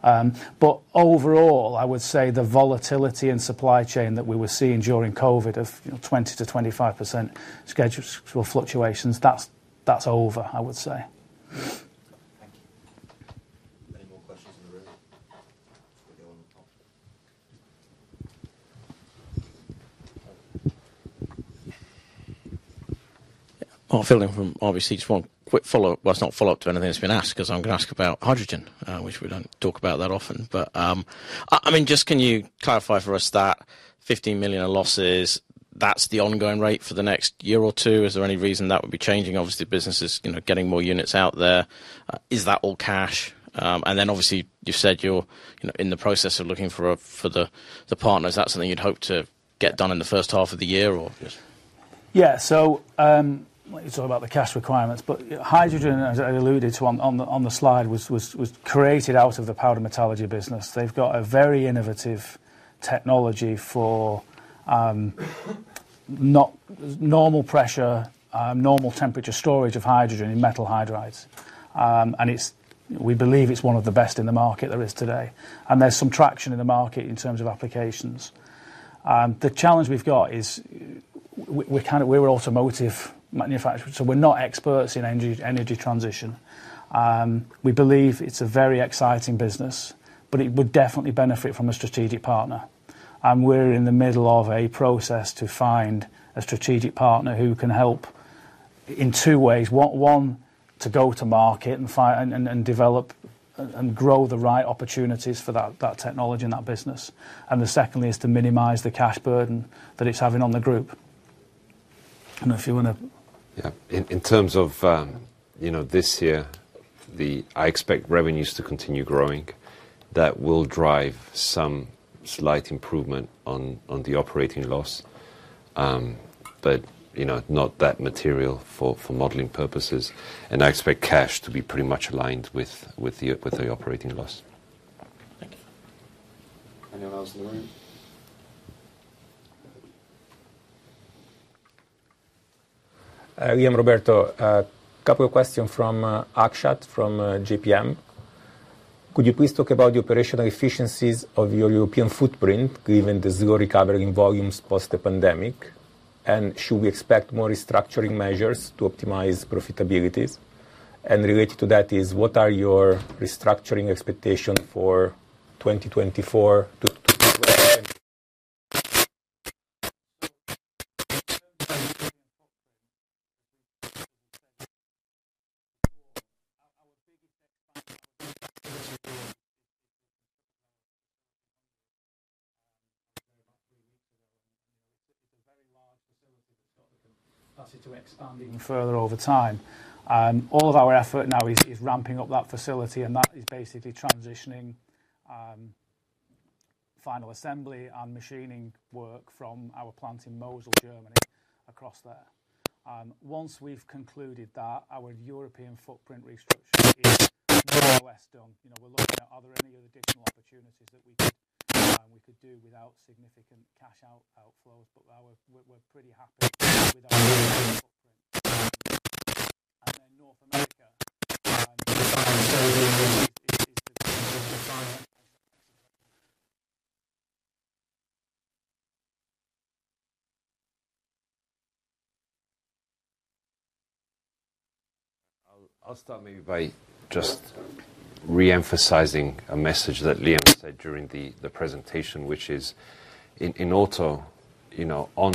S2: But overall, I would say the volatility in supply chain that we were seeing during COVID of 20%-25% fluctuations, that's over, I would say.
S1: Any more questions in the room? We'll go on the topic.
S5: I'll fill in from RBC. Just one quick follow-up. Well, it's not follow-up to anything that's been asked because I'm going to ask about hydrogen, which we don't talk about that often. But I mean, just can you clarify for us that 15 million of losses, that's the ongoing rate for the next year or two? Is there any reason that would be changing? Obviously, businesses getting more units out there. Is that all cash? And then obviously, you've said you're in the process of looking for the partners. Is that something you'd hope to get done in the first half of the year, or?
S2: Yeah. So let me talk about the cash requirements. But hydrogen, as I alluded to on the slide, was created out of the Powder Metallurgy business. They've got a very innovative technology for normal pressure, normal temperature storage of hydrogen in metal hydrides. And we believe it's one of the best in the market there is today. And there's some traction in the market in terms of applications. The challenge we've got is we're Automotive manufacturers, so we're not experts in energy transition. We believe it's a very exciting business, but it would definitely benefit from a strategic partner. And we're in the middle of a process to find a strategic partner who can help in two ways, one, to go to market and develop and grow the right opportunities for that technology and that business. The secondly is to minimize the cash burden that it's having on the group. I don't know if you want to.
S1: Yeah. In terms of this year, I expect revenues to continue growing. That will drive some slight improvement on the operating loss, but not that material for modeling purposes. And I expect cash to be pretty much aligned with the operating loss. Anyone else in the room?
S8: Again, Roberto. A couple of questions from Akshat from JPM. Could you please talk about the operational efficiencies of your European footprint given the slow recovery in volumes post-pandemic? And should we expect more restructuring measures to optimize profitabilities? And related to that is, what are your restructuring expectations for 2024 to 2025?
S2: Our biggest expansion is the central replacement facility in Hungary. I was there about three weeks ago. It's a very large facility that's got the capacity to expand even further over time. All of our effort now is ramping up that facility, and that is basically transitioning final assembly and machining work from our plant in Mosel, Germany, across there. Once we've concluded that, our European footprint restructure is more or less done. We're looking at are there any additional opportunities that we could do without significant cash outflows, but we're pretty happy with our European footprint. Then North America. I'll start maybe by just reemphasizing a message that Liam said during the presentation, which is in auto, on.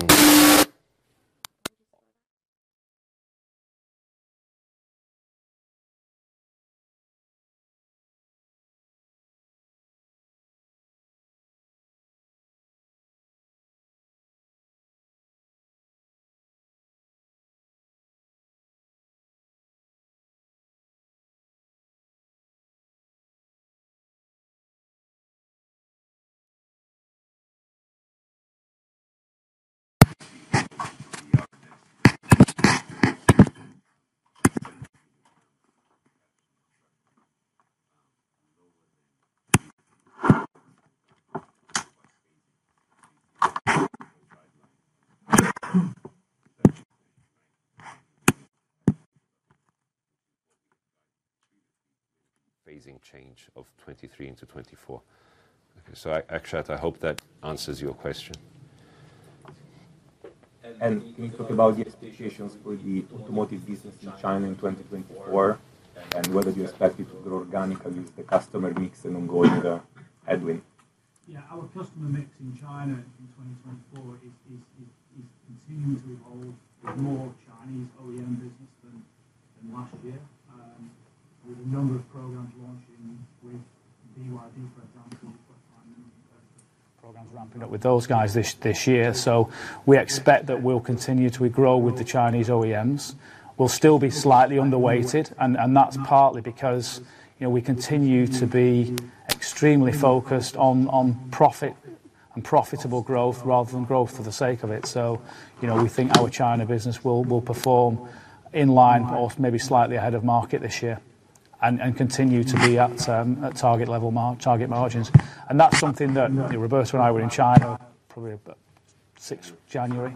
S2: Phasing change of 2023 into 2024. Okay. So Akshat, I hope that answers your question.
S5: Can you talk about your expectations for the Automotive business in China in 2024 and whether you expect it to grow organically with the customer mix and ongoing headwind?
S1: Yeah. Our customer mix in China in 2024 is continuing to evolve with more Chinese OEM business than last year. There's a number of programs launching with BYD, for example. We've got time. Programs ramping up with those guys this year. So we expect that we'll continue to grow with the Chinese OEMs. We'll still be slightly underweighted, and that's partly because we continue to be extremely focused on profit and profitable growth rather than growth for the sake of it. So we think our China business will perform in line, but also maybe slightly ahead of market this year and continue to be at target margins. And that's something that Roberto and I were in China probably about 6th January.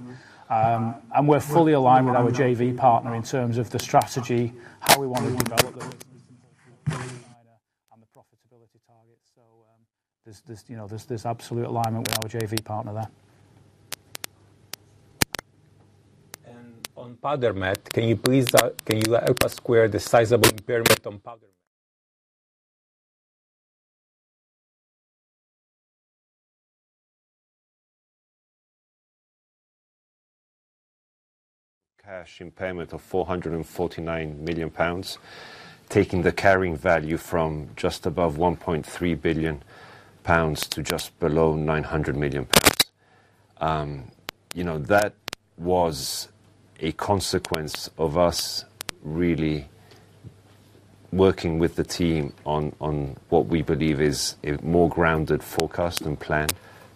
S1: And we're fully aligned with our JV partner in terms of the strategy, how we want to develop the way to be comparable with China and the profitability targets. So there's absolute alignment with our JV partner there.
S4: On Powder Met, can you please help us square the sizable impairment on Powder Met?
S1: Cash impairment of 449 million pounds, taking the carrying value from just above 1.3 billion pounds to just below 900 million pounds. That was a consequence of us really working with the team on what we believe is a more grounded forecast and plan.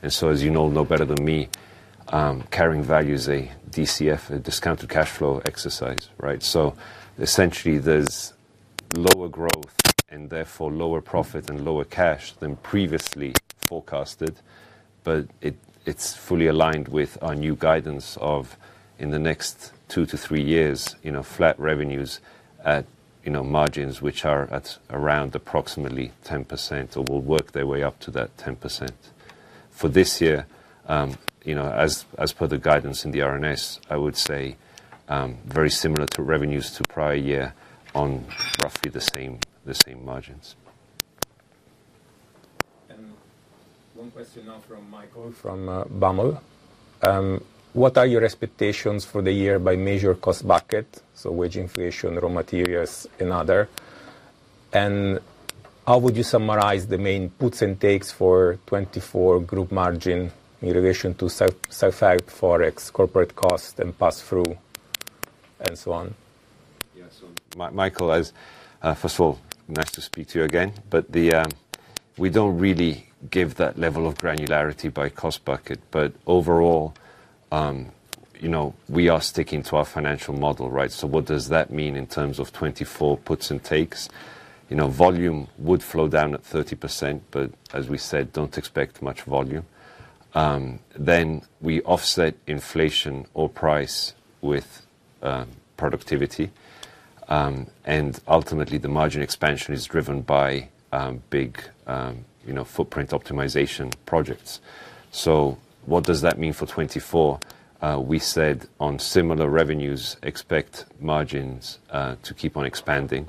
S1: And so, as you know better than me, carrying value is a DCF, a discounted cash flow exercise, right? So essentially, there's lower growth and therefore lower profit and lower cash than previously forecasted. But it's fully aligned with our new guidance of, in the next two to three years, flat revenues at margins which are at around approximately 10% or will work their way up to that 10%. For this year, as per the guidance in the RNS, I would say very similar to revenues to prior year on roughly the same margins.
S4: One question now from Michael from Bank of America. What are your expectations for the year by major cost bucket, so wage inflation, raw materials, and other? How would you summarize the main puts and takes for 2024 group margin in relation to self-help, forex, corporate cost, and pass-through, and so on?
S1: Yeah. So Michael, first of all, nice to speak to you again. But we don't really give that level of granularity by cost bucket. But overall, we are sticking to our financial model, right? So what does that mean in terms of 2024 puts and takes? Volume would flow down at 30%, but as we said, don't expect much volume. Then we offset inflation or price with productivity. And ultimately, the margin expansion is driven by big footprint optimization projects. So what does that mean for 2024? We said, on similar revenues, expect margins to keep on expanding.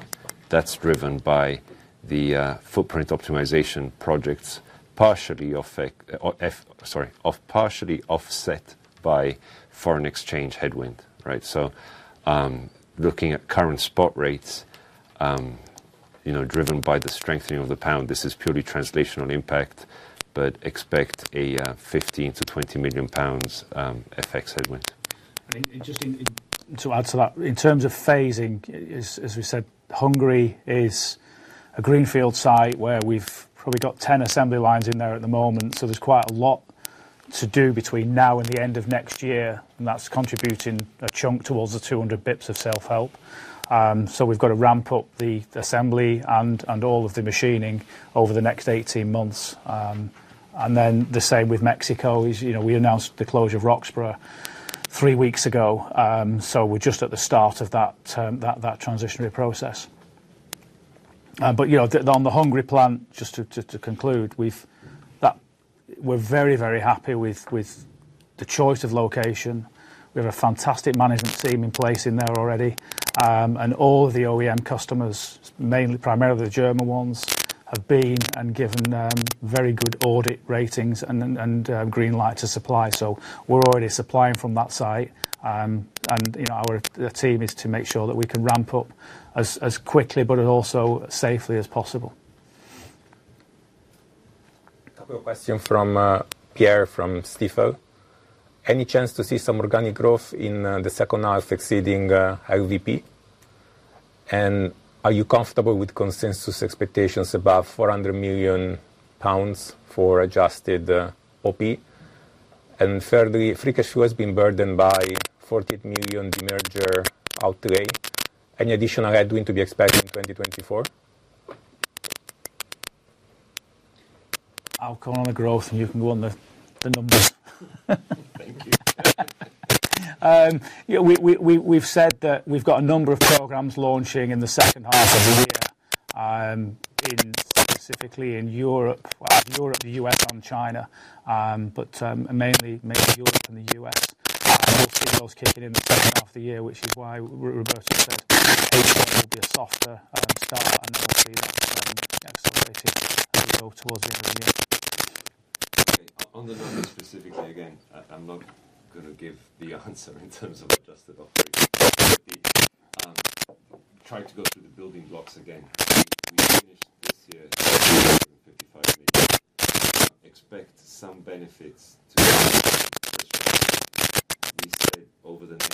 S1: That's driven by the footprint optimization projects partially offset by foreign exchange headwind, right? So looking at current spot rates driven by the strengthening of the pound, this is purely translational impact, but expect a 15 million-20 million pounds FX headwind.
S2: And just to add to that, in terms of phasing, as we said, Hungary is a greenfield site where we've probably got 10 assembly lines in there at the moment. So there's quite a lot to do between now and the end of next year. And that's contributing a chunk towards the 200 basis points of self-help. So we've got to ramp up the assembly and all of the machining over the next 18 months. And then the same with Mexico. We announced the closure of Roxboro three weeks ago. So we're just at the start of that transitionary process. But on the Hungary plant, just to conclude, we're very, very happy with the choice of location. We have a fantastic management team in place in there already. And all of the OEM customers, primarily the German ones, have been and given very good audit ratings and green light to supply. We're already supplying from that site. Our team is to make sure that we can ramp up as quickly but also safely as possible.
S4: A couple of questions from Pierre from Stifel. Any chance to see some organic growth in the second half exceeding LVP? And are you comfortable with consensus expectations above 400 million pounds for adjusted OP? And thirdly, Free Cash Flow has been burdened by 40 million demerger outlay. Any additional headwind to be expected in 2024?
S1: I'll call on the growth, and you can go on the numbers.
S2: Thank you. We've said that we've got a number of programs launching in the second half of the year, specifically in Europe, the U.S., and China, but mainly Europe and the U.S. We'll see those kicking in the second half of the year, which is why Roberto said H1 will be a softer start. And then we'll see that acceleration as we go towards the end of the year.
S1: On the numbers specifically, again, I'm not going to give the answer in terms of adjusted operations. Trying to go through the building blocks again, we finished this year at GBP 255 million. Expect some benefits to come from the first round. We said over the next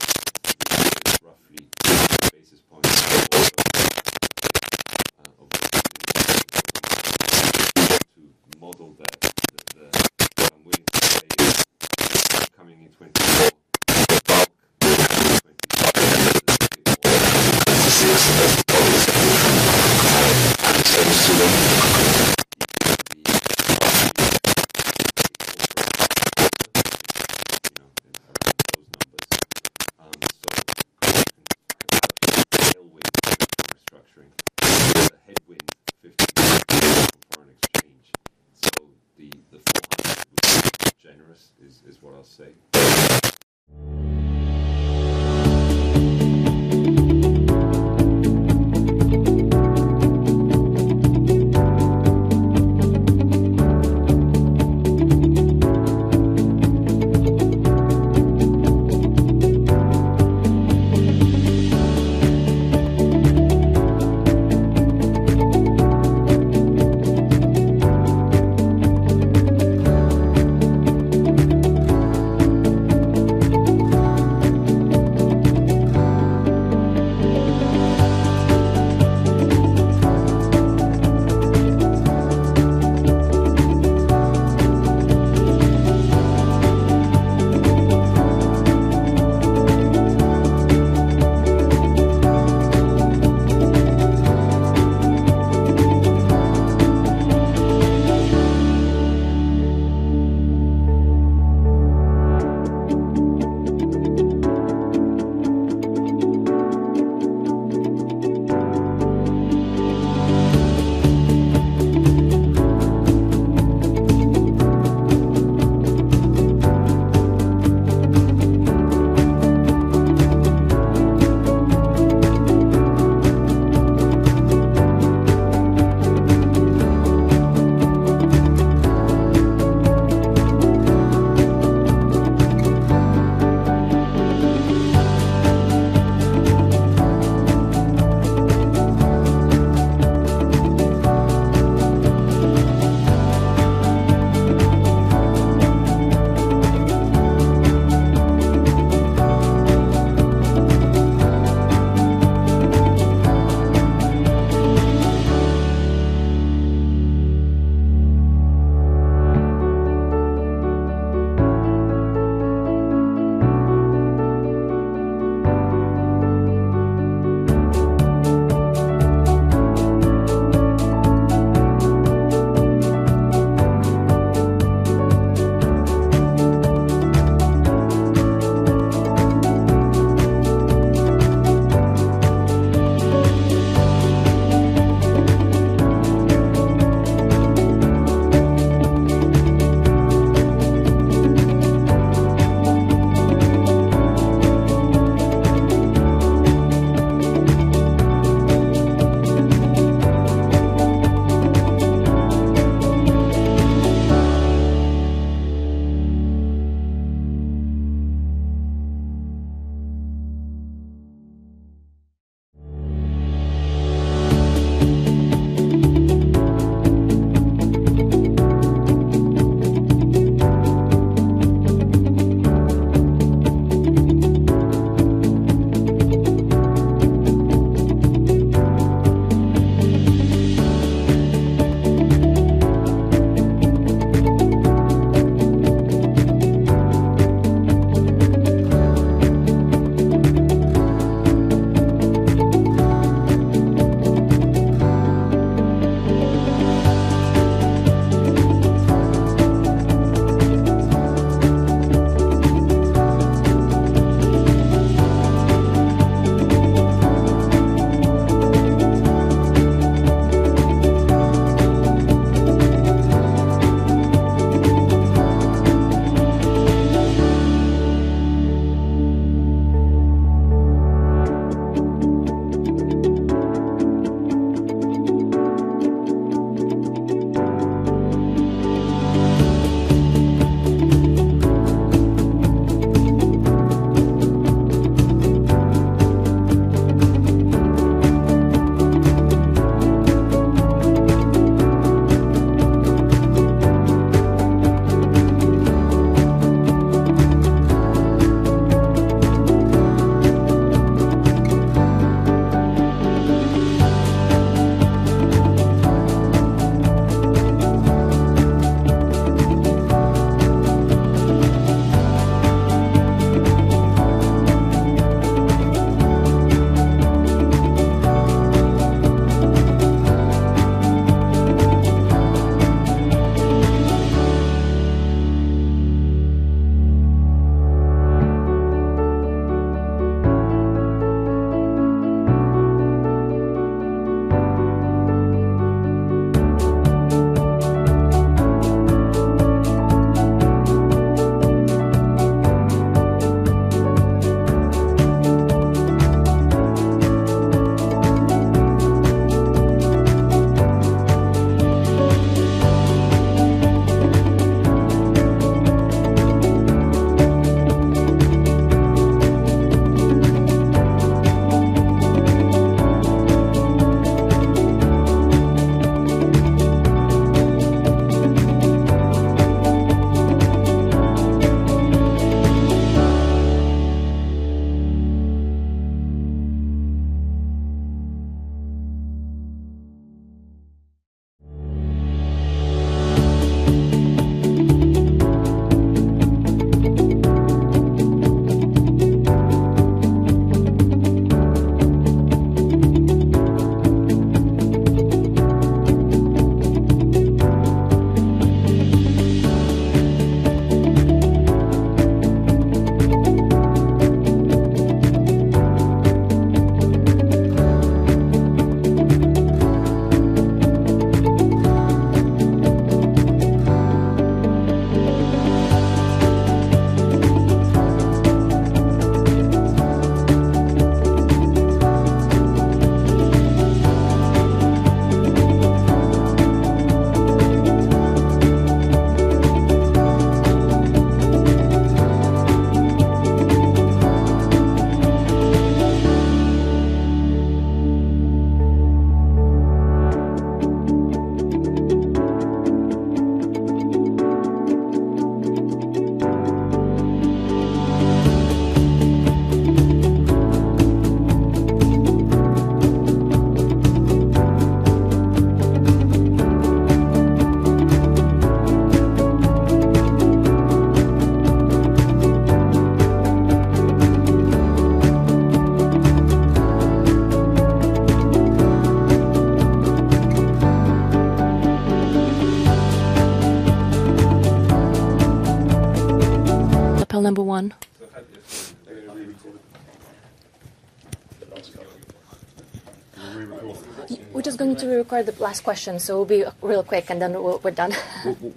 S3: Press number one? We're just going to re-record the last question. So it'll be real quick, and then we're done.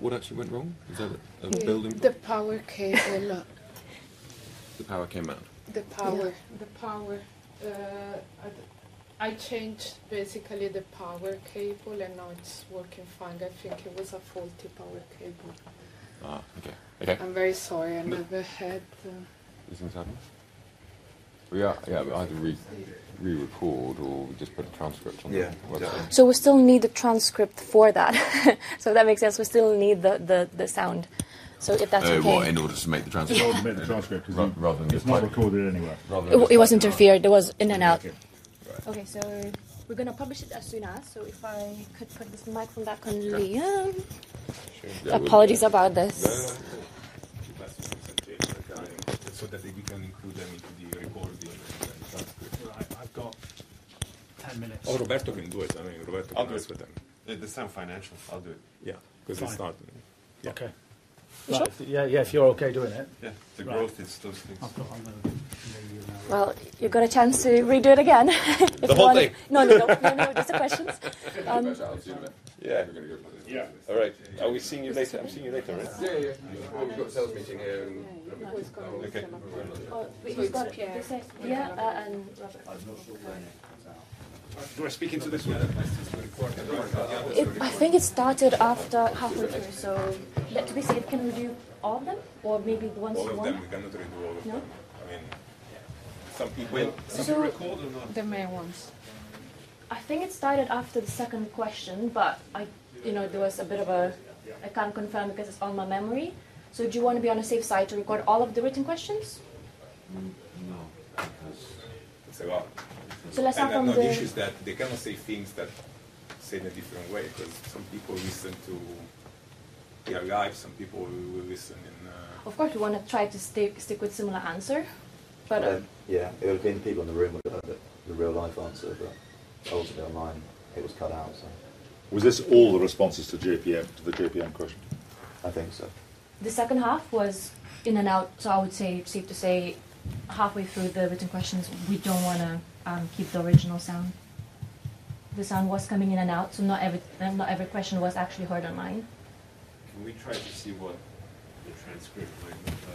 S2: What actually went wrong? Is that a building?
S3: The power cable.
S2: The power came out?
S3: The power. I changed basically the power cable, and now it's working fine. I think it was a faulty power cable.
S2: Okay.
S3: I'm very sorry. I never had.
S2: Nothing's happened? Yeah. I had to re-record or just put a transcript on the website.
S3: We still need the transcript for that. If that makes sense, we still need the sound. If that's okay.
S1: In order to make the transcript. In order to make the transcript because it's not recorded anywhere.
S3: It was interfered. There was in and out. Okay. So we're going to publish it as soon as. So if I could put this microphone back on Liam. Apologies about this. So that they can include them into the recording and transcript.
S2: I've got 10 minutes. Oh, Roberto can do it. I mean, Roberto can do this with them. The same financials. I'll do it.
S5: Yeah. Because it's not. Okay. Yeah. If you're okay doing it.
S2: Yeah. The growth, it's those things.
S3: Well, you've got a chance to redo it again.
S5: The whole thing.
S1: No, no, no. Just the questions.
S3: We're going to go for this. Yeah. All right. Are we seeing you later? I'm seeing you later. Yeah, yeah, yeah. We've got a sales meeting here.
S1: Okay. We've got Pierre. Yeah, and Roberto.
S2: Do I speak into this one?
S1: I think it started after halfway through. So to be safe, can we do all of them or maybe the ones you want?
S2: All of them. We cannot really do all of them. I mean, some people.
S3: Will some be recorded or not?
S1: The main ones. I think it started after the second question, but there was a bit of a I can't confirm because it's on my memory. So do you want to be on a safe side to record all of the written questions?
S2: No. Because the issue is that they cannot say things that say in a different way because some people listen to PR Live. Some people will listen in.
S1: Of course, we want to try to stick with similar answer.
S3: Yeah. It'll be in the people in the room with the real-life answer, but ultimately, online, it was cut out, so.
S2: Was this all the responses to the GPM question?
S3: I think so.
S1: The second half was in and out. So I would say it's safe to say halfway through the written questions, we don't want to keep the original sound. The sound was coming in and out. So not every question was actually heard online.
S3: Can we try to see what the transcript might look like?